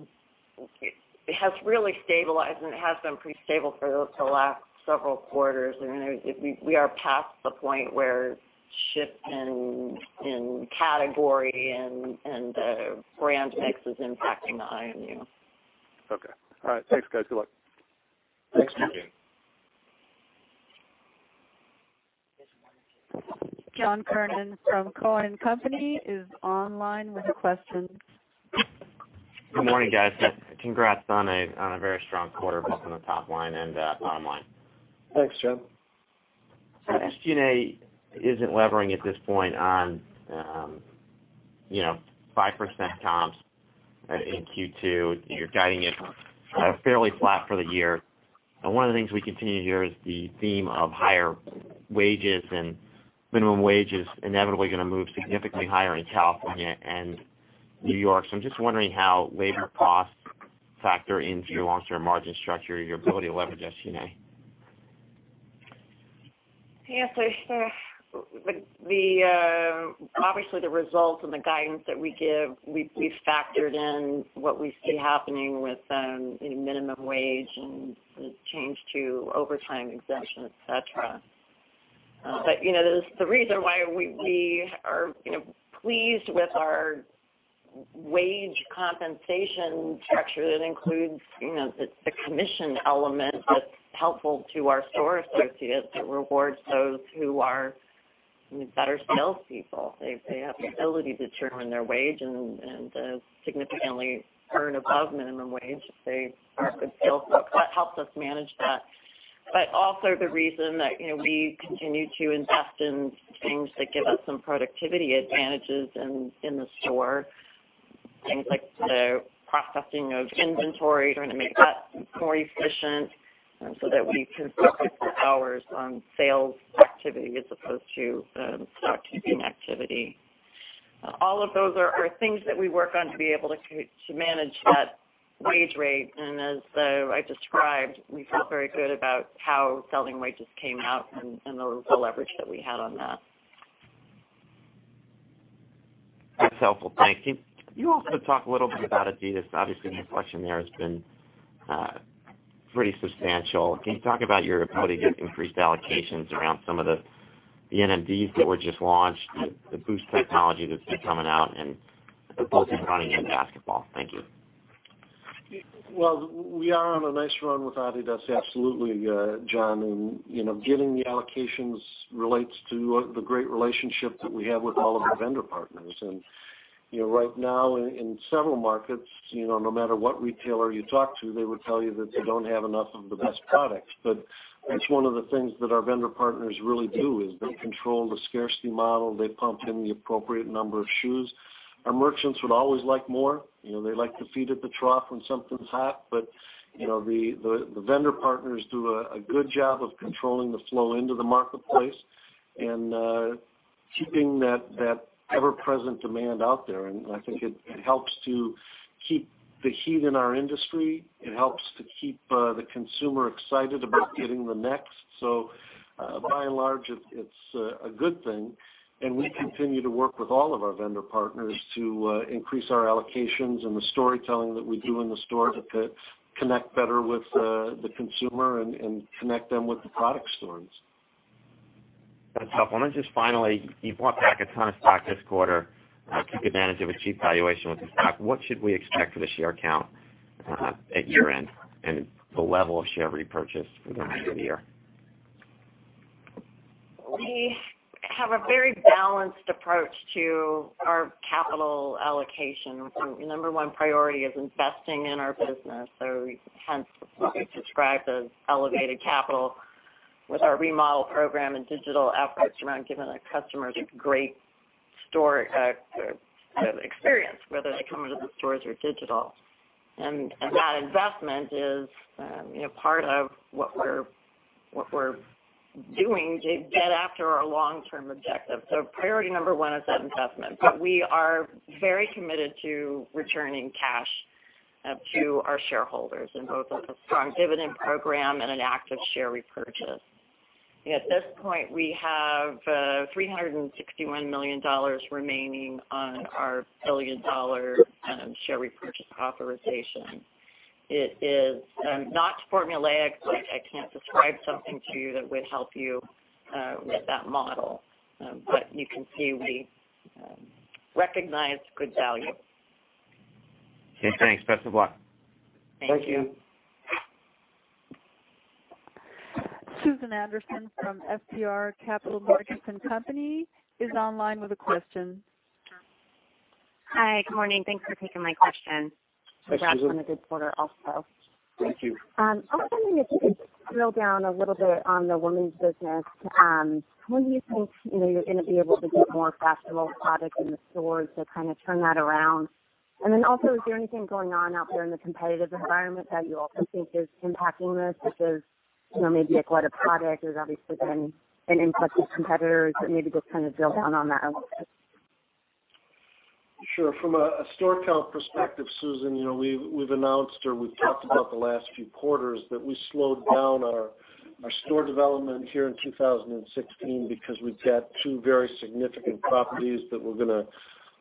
has really stabilized and it has been pretty stable for the last several quarters. We are past the point where shift in category and the brand mix is impacting the IMU. Okay. All right. Thanks, guys. Good luck. Thanks, Mitch. John Kernan from Cowen Company is online with questions. Good morning, guys. Congrats on a very strong quarter both on the top line and bottom line. Thanks, John. SG&A isn't levering at this point on, 5% comps in Q2. You're guiding it fairly flat for the year. One of the things we continue to hear is the theme of higher wages and minimum wage is inevitably going to move significantly higher in California and New York. I'm just wondering how labor costs factor into your long-term margin structure, your ability to leverage SG&A. Yes. Obviously, the results and the guidance that we give, we've factored in what we see happening with minimum wage and the change to overtime exemption, et cetera. The reason why we are pleased with our wage compensation structure that includes the commission element that's helpful to our store associates. It rewards those who are better salespeople. They have the ability to determine their wage and significantly earn above minimum wage if they are good salespeople. That helps us manage that. Also, the reason that we continue to invest in things that give us some productivity advantages in the store, things like the processing of inventory, trying to make that more efficient so that we can focus the hours on sales activity as opposed to stock keeping activity. All of those are things that we work on to be able to manage that wage rate. As I described, we feel very good about how selling wages came out and the leverage that we had on that. That's helpful. Thanks. Can you also talk a little bit about adidas? Obviously, the inflection there has been pretty substantial. Can you talk about your ability to get increased allocations around some of the NMDs that were just launched, the Boost technology that's been coming out in both running and basketball? Thank you. Well, we are on a nice run with adidas, absolutely, John. Getting the allocations relates to the great relationship that we have with all of our vendor partners. Right now, in several markets, no matter what retailer you talk to, they would tell you that they don't have enough of the best products. That's one of the things that our vendor partners really do is they control the scarcity model. They pump in the appropriate number of shoes. Our merchants would always like more. They like to feed at the trough when something's hot, but the vendor partners do a good job of controlling the flow into the marketplace and keeping that ever-present demand out there. I think it helps to keep the heat in our industry. It helps to keep the consumer excited about getting the next. By and large, it's a good thing, and we continue to work with all of our vendor partners to increase our allocations and the storytelling that we do in the store to connect better with the consumer and connect them with the product stories. That's helpful. Then just finally, you bought back a ton of stock this quarter, took advantage of a cheap valuation with the stock. What should we expect for the share count at year-end and the level of share repurchase for the rest of the year? We have a very balanced approach to our capital allocation. Number one priority is investing in our business. What we've described as elevated capital with our remodel program and digital efforts around giving our customers a great store experience, whether they come into the stores or digital. That investment is part of what we're doing to get after our long-term objective. Priority number one is that investment. We are very committed to returning cash to our shareholders in both a strong dividend program and an active share repurchase. At this point, we have $361 million remaining on our billion-dollar share repurchase authorization. It is not formulaic. I can't describe something to you that would help you with that model. You can see we recognize good value. Okay, thanks. Best of luck. Thank you. Thank you. Susan Anderson from FBR Capital Markets & Company is online with a question. Hi. Good morning. Thanks for taking my question. Hi, Susan. Congrats on a good quarter also. Thank you. I was wondering if you could drill down a little bit on the women's business. When do you think you're going to be able to get more fashionable product in the stores to kind of turn that around? Also, is there anything going on out there in the competitive environment that you also think is impacting this, such as maybe a glut of product? There's obviously been an influx of competitors. Maybe just kind of drill down on that a little bit. Sure. From a store count perspective, Susan, we've announced or we've talked about the last few quarters that we slowed down our store development here in 2016 because we've got two very significant properties that we're going to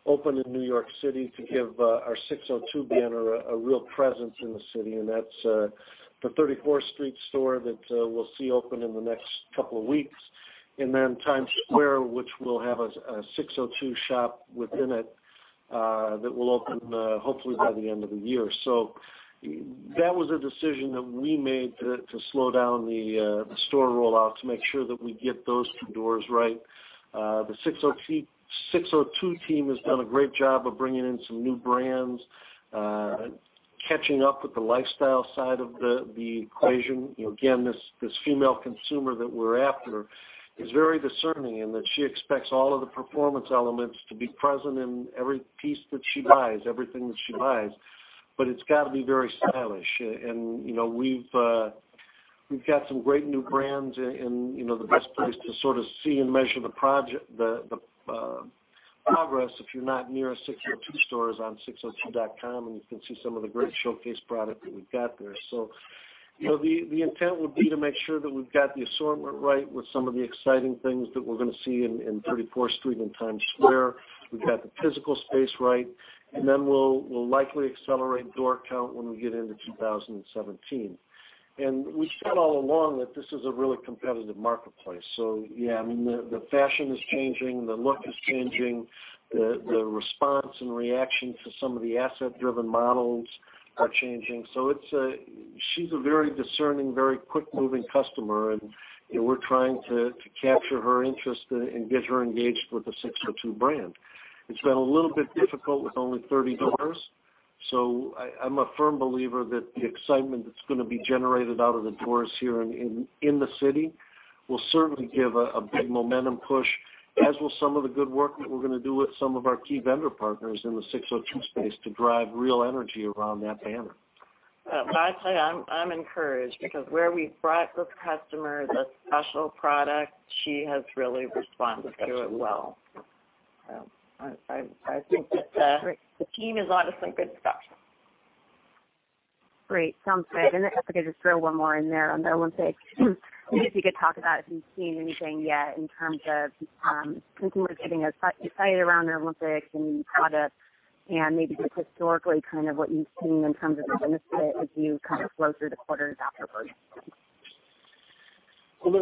open in New York City to give our SIX:02 banner a real presence in the city. That's the 34th Street store that we'll see open in the next couple of weeks, then Times Square, which will have a SIX:02 shop within it that will open hopefully by the end of the year. That was a decision that we made to slow down the store rollout to make sure that we get those two doors right. The SIX:02 team has done a great job of bringing in some new brands and catching up with the lifestyle side of the equation. Again, this female consumer that we're after is very discerning in that she expects all of the performance elements to be present in every piece that she buys, everything that she buys. It's got to be very stylish. We've got some great new brands, the best place to sort of see and measure the progress, if you're not near a SIX:02 store, is on six02.com, you can see some of the great showcase product that we've got there. The intent would be to make sure that we've got the assortment right with some of the exciting things that we're going to see in 34th Street and Times Square. We've got the physical space right. We'll likely accelerate door count when we get into 2017. We said all along that this is a really competitive marketplace. Yeah, the fashion is changing, the look is changing, the response and reaction to some of the asset-driven models are changing. She's a very discerning, very quick-moving customer, and we're trying to capture her interest and get her engaged with the SIX:02 brand. It's been a little bit difficult with only 30 doors. I'm a firm believer that the excitement that's going to be generated out of the doors here in the city will certainly give a big momentum push, as will some of the good work that we're going to do with some of our key vendor partners in the SIX:02 space to drive real energy around that banner. Well, I'd say I'm encouraged because where we've brought the customer the special product, she has really responded to it well. I think that the team is on to some good stuff. Great. Sounds good. If I could just throw one more in there on the Olympics. Maybe if you could talk about if you've seen anything yet in terms of consumers getting excited around the Olympics and new products and maybe just historically kind of what you've seen in terms of the benefit as you kind of flow through the quarters afterwards. Well,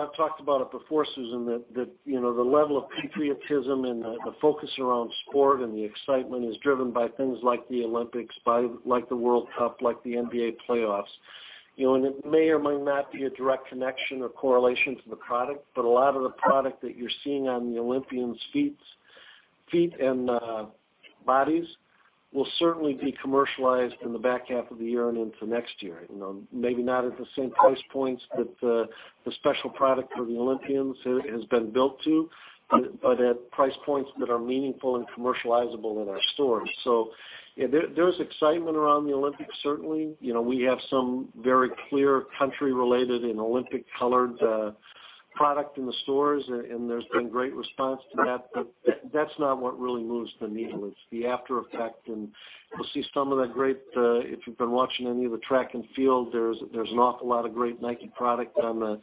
I've talked about it before, Susan, that the level of patriotism and the focus around sport and the excitement is driven by things like the Olympics, like the World Cup, like the NBA playoffs. It may or may not be a direct connection or correlation to the product, but a lot of the product that you're seeing on the Olympians' feet and bodies will certainly be commercialized in the back half of the year and into next year. Maybe not at the same price points that the special product for the Olympians has been built to, but at price points that are meaningful and commercializable in our stores. There's excitement around the Olympics, certainly. We have some very clear country-related and Olympic-colored product in the stores, and there's been great response to that. That's not what really moves the needle. It's the after effect. You'll see some of that. If you've been watching any of the track and field, there's an awful lot of great Nike product on the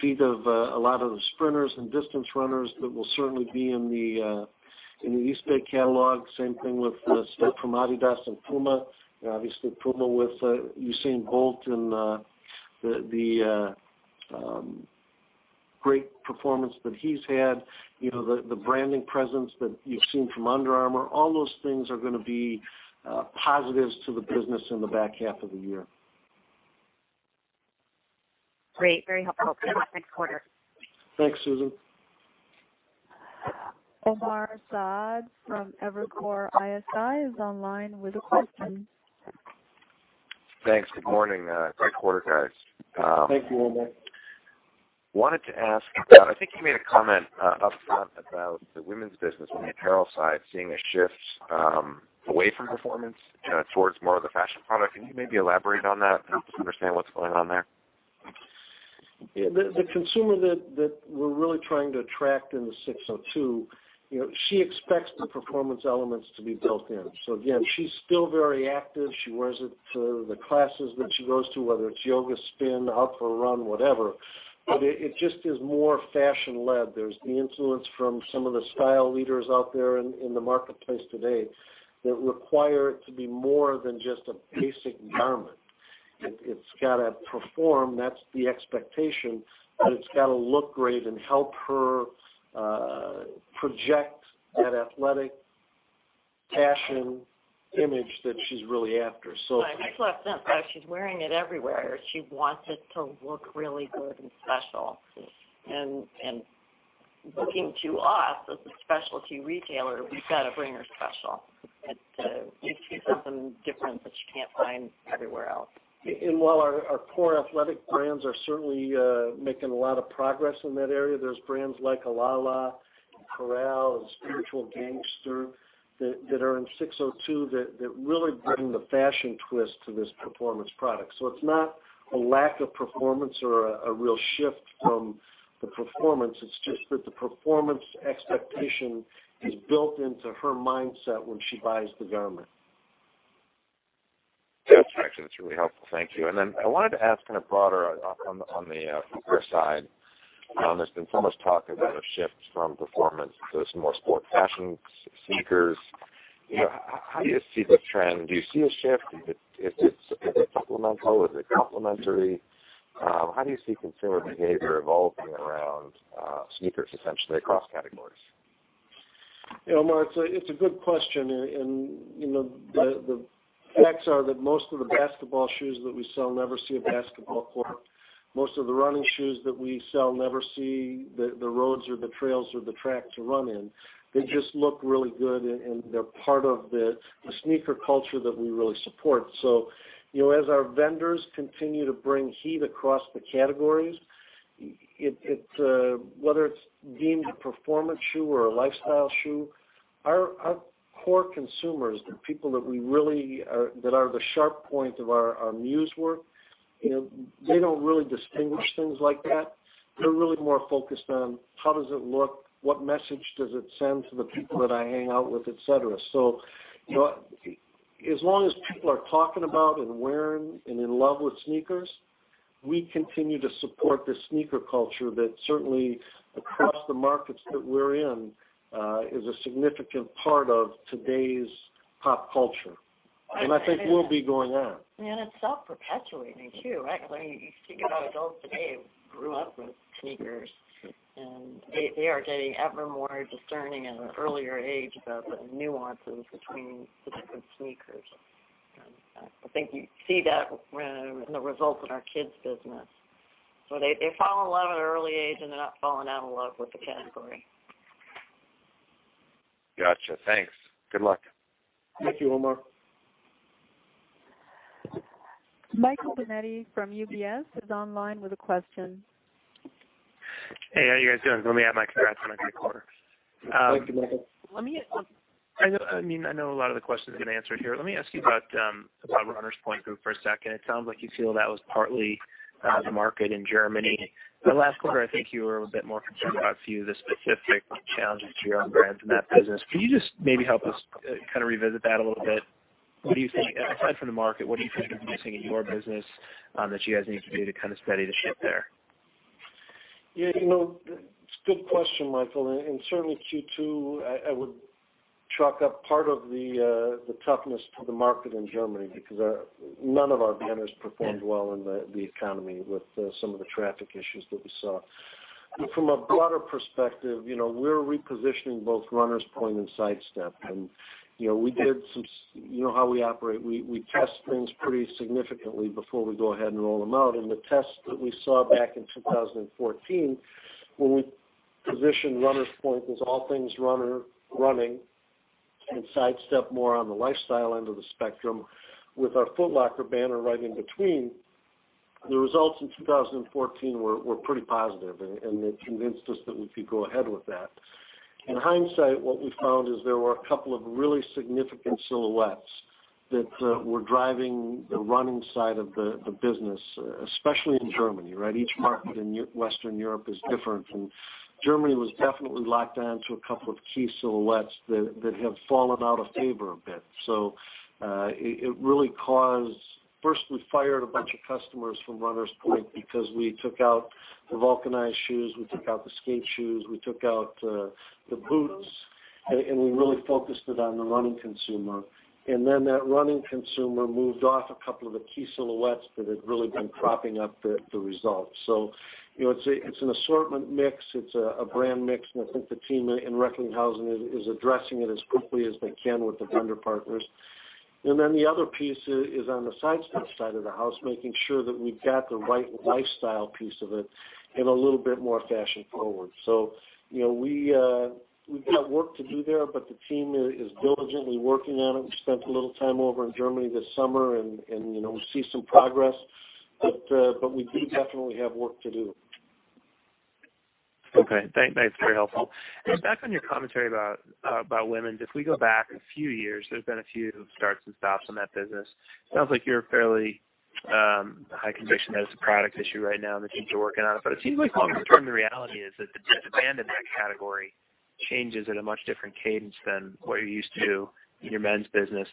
feet of a lot of the sprinters and distance runners that will certainly be in the Eastbay catalog. Same thing with the stuff from adidas and PUMA. Obviously, PUMA with Usain Bolt and the great performance that he's had. The branding presence that you've seen from Under Armour. All those things are going to be positives to the business in the back half of the year. Great. Very helpful. Good luck next quarter. Thanks, Susan. Omar Saad from Evercore ISI is online with a question. Thanks. Good morning. Great quarter, guys. Thank you, Omar. Wanted to ask about, I think you made a comment upfront about the women's business on the apparel side, seeing a shift away from performance towards more of the fashion product. Can you maybe elaborate on that and help us understand what's going on there? Yeah. The consumer that we're really trying to attract in the SIX:02, she expects the performance elements to be built in. Again, she's still very active. She wears it to the classes that she goes to, whether it's yoga, spin, up or run, whatever. It just is more fashion led. There's the influence from some of the style leaders out there in the marketplace today that require it to be more than just a basic garment. It's got to perform, that's the expectation, but it's got to look great and help her project that athletic fashion image that she's really after. I just left that, but she's wearing it everywhere. She wants it to look really good and special. Looking to us as a specialty retailer, we've got to bring her special. Give her something different that she can't find everywhere else. While our core athletic brands are certainly making a lot of progress in that area, there's brands like Alala and Koral and Spiritual Gangster that are in SIX:02 that really bring the fashion twist to this performance product. It's not a lack of performance or a real shift from the performance. It's just that the performance expectation is built into her mindset when she buys the garment. Gotcha. That's really helpful. Thank you. Then I wanted to ask kind of broader on the footwear side. There's been so much talk about a shift from performance to some more sport fashion sneakers. How do you see the trend? Do you see a shift? Is it supplemental? Is it complementary? How do you see consumer behavior evolving around sneakers, essentially, across categories? Omar, it's a good question. The facts are that most of the basketball shoes that we sell never see a basketball court. Most of the running shoes that we sell never see the roads or the trails or the tracks we run in. They just look really good, and they're part of the sneaker culture that we really support. As our vendors continue to bring heat across the categories, whether it's deemed a performance shoe or a lifestyle shoe, our core consumers, the people that are the sharp point of our muse work, they don't really distinguish things like that. They're really more focused on how does it look, what message does it send to the people that I hang out with, et cetera. As long as people are talking about and wearing and in love with sneakers, we continue to support the sneaker culture that certainly across the markets that we're in is a significant part of today's pop culture. I think we'll be going on. It's self-perpetuating, too. You think about adults today who grew up with sneakers, and they are getting ever more discerning at an earlier age about the nuances between the different sneakers. I think you see that in the results in our kids' business. They fall in love at an early age, and they're not falling out of love with the category. Got you. Thanks. Good luck. Thank you, Omar. Michael Binetti from UBS is online with a question. Hey, how you guys doing? Let me add my congrats on a great quarter. Thank you, Michael. I know a lot of the questions have been answered here. Let me ask you about Runners Point Group for a second. It sounds like you feel that was partly the market in Germany. Last quarter, I think you were a bit more concerned about few of the specific challenges to your own brands in that business. Can you just maybe help us kind of revisit that a little bit? Aside from the market, what do you think you're missing in your business that you guys need to do to kind of steady the ship there? It's a good question, Michael, and certainly Q2, I would chalk up part of the toughness to the market in Germany because none of our banners performed well in the economy with some of the traffic issues that we saw. From a broader perspective, we're repositioning both Runners Point and Sidestep. You know how we operate. We test things pretty significantly before we go ahead and roll them out. The test that we saw back in 2014, when we positioned Runners Point as all things running and Sidestep more on the lifestyle end of the spectrum with our Foot Locker banner right in between, the results in 2014 were pretty positive, and it convinced us that we could go ahead with that. In hindsight, what we found is there were a couple of really significant silhouettes that were driving the running side of the business, especially in Germany. Each market in Western Europe is different, and Germany was definitely locked onto a couple of key silhouettes that have fallen out of favor a bit. First, we fired a bunch of customers from Runners Point because we took out the vulcanized shoes, we took out the skate shoes, we took out the boots, and we really focused it on the running consumer. That running consumer moved off a couple of the key silhouettes that had really been propping up the results. It's an assortment mix, it's a brand mix, and I think the team in Recklinghausen is addressing it as quickly as they can with the vendor partners. The other piece is on the Sidestep side of the house, making sure that we've got the right lifestyle piece of it and a little bit more fashion forward. We've got work to do there, but the team is diligently working on it. We spent a little time over in Germany this summer, and we see some progress. We do definitely have work to do. Thanks. Very helpful. Back on your commentary about women's. If we go back a few years, there's been a few starts and stops on that business. It sounds like you're fairly high conviction that it's a product issue right now, and the team's working on it. It seems like longer term, the reality is that the demand in that category changes at a much different cadence than what you're used to in your men's business.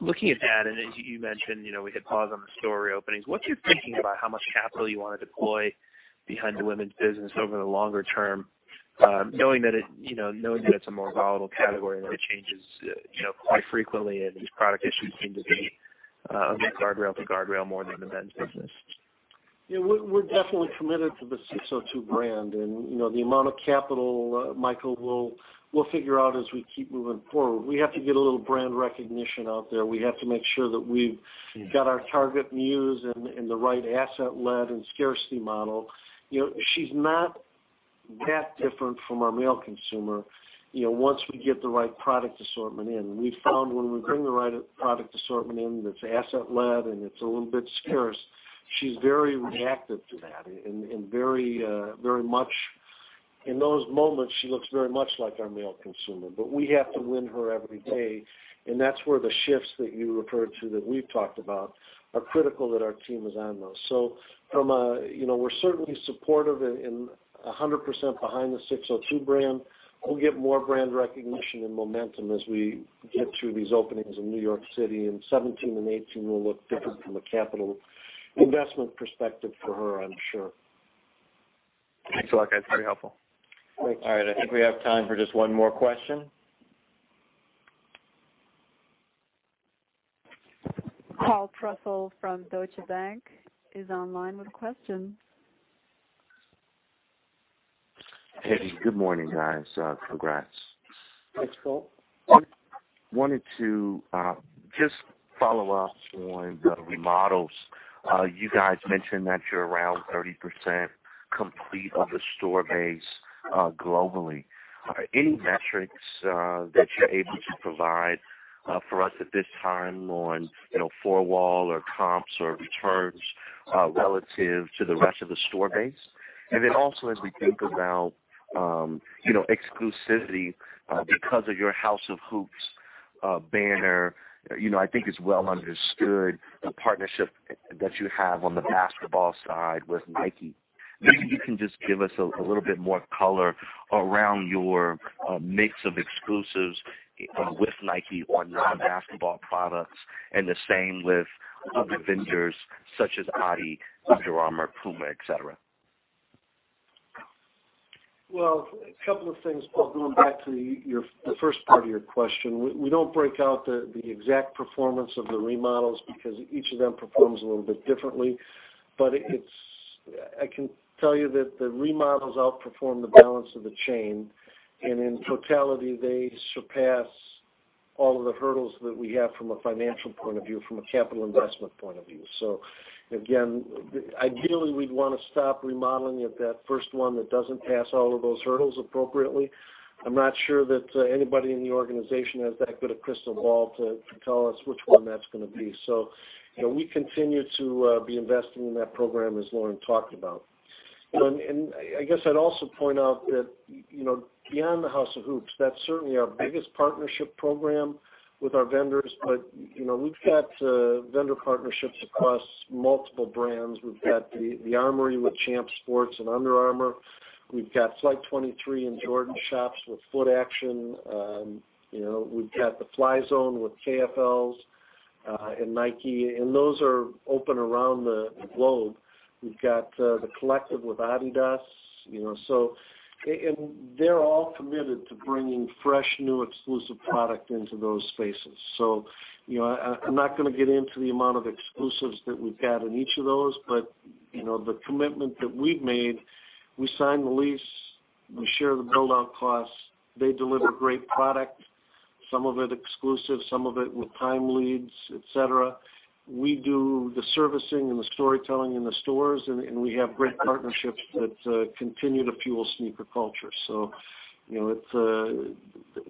Looking at that, and as you mentioned, we hit pause on the store reopenings. What's your thinking about how much capital you want to deploy behind the women's business over the longer term, knowing that it's a more volatile category that changes quite frequently, and these product issues seem to be a bit guardrail to guardrail more than the men's business. Yeah. We're definitely committed to the SIX:02 brand. The amount of capital, Michael Binetti, we'll figure out as we keep moving forward. We have to get a little brand recognition out there. We have to make sure that we've got our target muse and the right asset lead and scarcity model. She's not that different from our male consumer, once we get the right product assortment in. We found when we bring the right product assortment in that's asset led and it's a little bit scarce, she's very reactive to that. In those moments, she looks very much like our male consumer. We have to win her every day, and that's where the shifts that you referred to, that we've talked about, are critical that our team is on those. We're certainly supportive and 100% behind the SIX:02 brand. We'll get more brand recognition and momentum as we get through these openings in New York City. 2017 and 2018 will look different from a capital investment perspective for her, I'm sure. Thanks a lot, guys. Very helpful. Great. All right. I think we have time for just one more question. Paul Trussell from Deutsche Bank is online with a question. Hey, good morning, guys. Congrats. Thanks, Paul. Wanted to just follow up on the remodels. You guys mentioned that you're around 30% complete of the store base globally. Any metrics that you're able to provide for us at this time on four wall or comps or returns relative to the rest of the store base? Also, as we think about exclusivity because of your House of Hoops banner. I think it's well understood the partnership that you have on the basketball side with Nike. Maybe you can just give us a little bit more color around your mix of exclusives with Nike on non-basketball products, and the same with other vendors such as adidas, Under Armour, PUMA, et cetera. Well, a couple of things, Paul, going back to the first part of your question. We don't break out the exact performance of the remodels because each of them performs a little bit differently. I can tell you that the remodels outperform the balance of the chain, and in totality, they surpass all of the hurdles that we have from a financial point of view, from a capital investment point of view. Again, ideally, we'd want to stop remodeling at that first one that doesn't pass all of those hurdles appropriately. I'm not sure that anybody in the organization has that good a crystal ball to tell us which one that's going to be. We continue to be investing in that program, as Lauren talked about. I guess I'd also point out that beyond the House of Hoops, that's certainly our biggest partnership program with our vendors. We've got vendor partnerships across multiple brands. We've got the Armoury with Champs Sports and Under Armour. We've got Flight23 and Jordan shops with Footaction. We've got the Fly Zone with KFLs and Nike, and those are open around the globe. We've got The Collective with adidas. They're all committed to bringing fresh, new, exclusive product into those spaces. I'm not going to get into the amount of exclusives that we've got in each of those. The commitment that we've made, we sign the lease, we share the build-out costs. They deliver great product, some of it exclusive, some of it with time leads, et cetera. We do the servicing and the storytelling in the stores, and we have great partnerships that continue to fuel sneaker culture.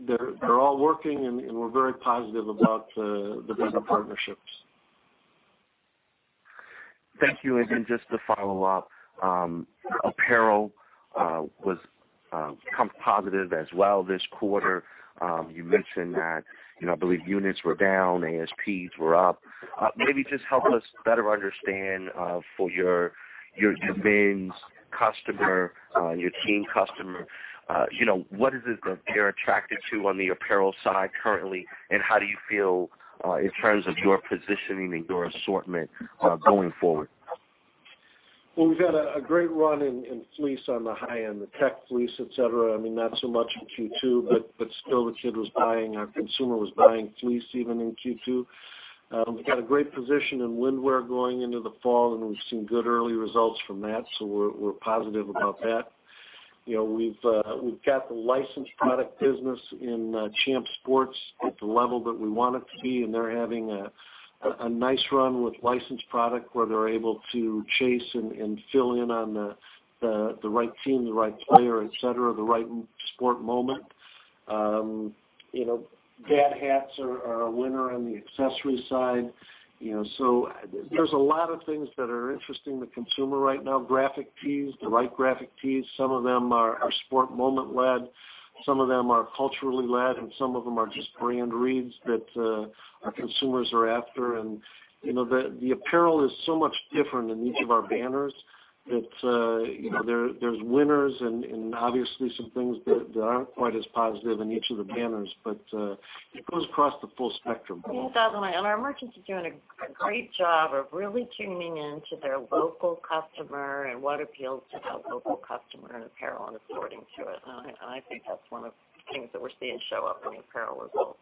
They're all working, and we're very positive about the vendor partnerships. Thank you. Then just to follow up. Apparel was comp positive as well this quarter. You mentioned that, I believe units were down, ASPs were up. Maybe just help us better understand for your men's customer, your teen customer. What is it that they're attracted to on the apparel side currently, and how do you feel in terms of your positioning and your assortment going forward? Well, we've had a great run in fleece on the high-end, the tech fleece, et cetera. I mean, not so much in Q2, but still the kid was buying, our consumer was buying fleece even in Q2. We've got a great position in windwear going into the fall, and we've seen good early results from that, so we're positive about that. We've got the licensed product business in Champs Sports at the level that we want it to be, and they're having a nice run with licensed product where they're able to chase and fill in on the right team, the right player, et cetera, the right sport moment. Dad hats are a winner on the accessory side. There's a lot of things that are interesting to consumer right now. Graphic tees, the right graphic tees. Some of them are sport moment led, some of them are culturally led, and some of them are just brand reads that our consumers are after. The apparel is so much different in each of our banners that there's winners and obviously some things that aren't quite as positive in each of the banners, but it goes across the full spectrum. Without a doubt. Our merchants are doing a great job of really tuning into their local customer and what appeals to that local customer in apparel and assorting to it. I think that's one of the things that we're seeing show up in apparel results.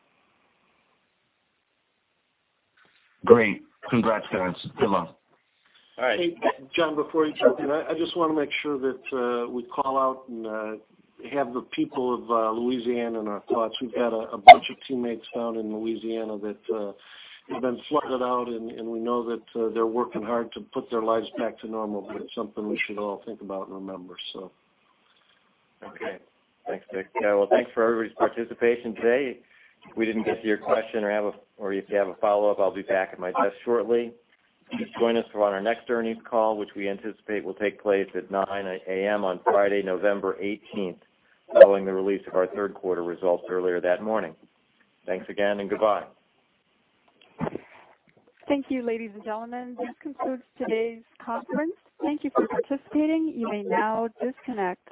Great. Congrats, guys. Good luck. All right. Hey, John, before you jump in, I just want to make sure that we call out and have the people of Louisiana in our thoughts. We've got a bunch of teammates down in Louisiana that have been flooded out, and we know that they're working hard to put their lives back to normal, but it's something we should all think about and remember. Okay. Thanks, Dick. Yeah, well, thanks for everybody's participation today. If we didn't get to your question or if you have a follow-up, I'll be back at my desk shortly. Please join us for our next earnings call, which we anticipate will take place at 9:00 A.M. on Friday, November 18th, following the release of our third quarter results earlier that morning. Thanks again and goodbye. Thank you, ladies and gentlemen, this concludes today's conference. Thank you for participating. You may now disconnect.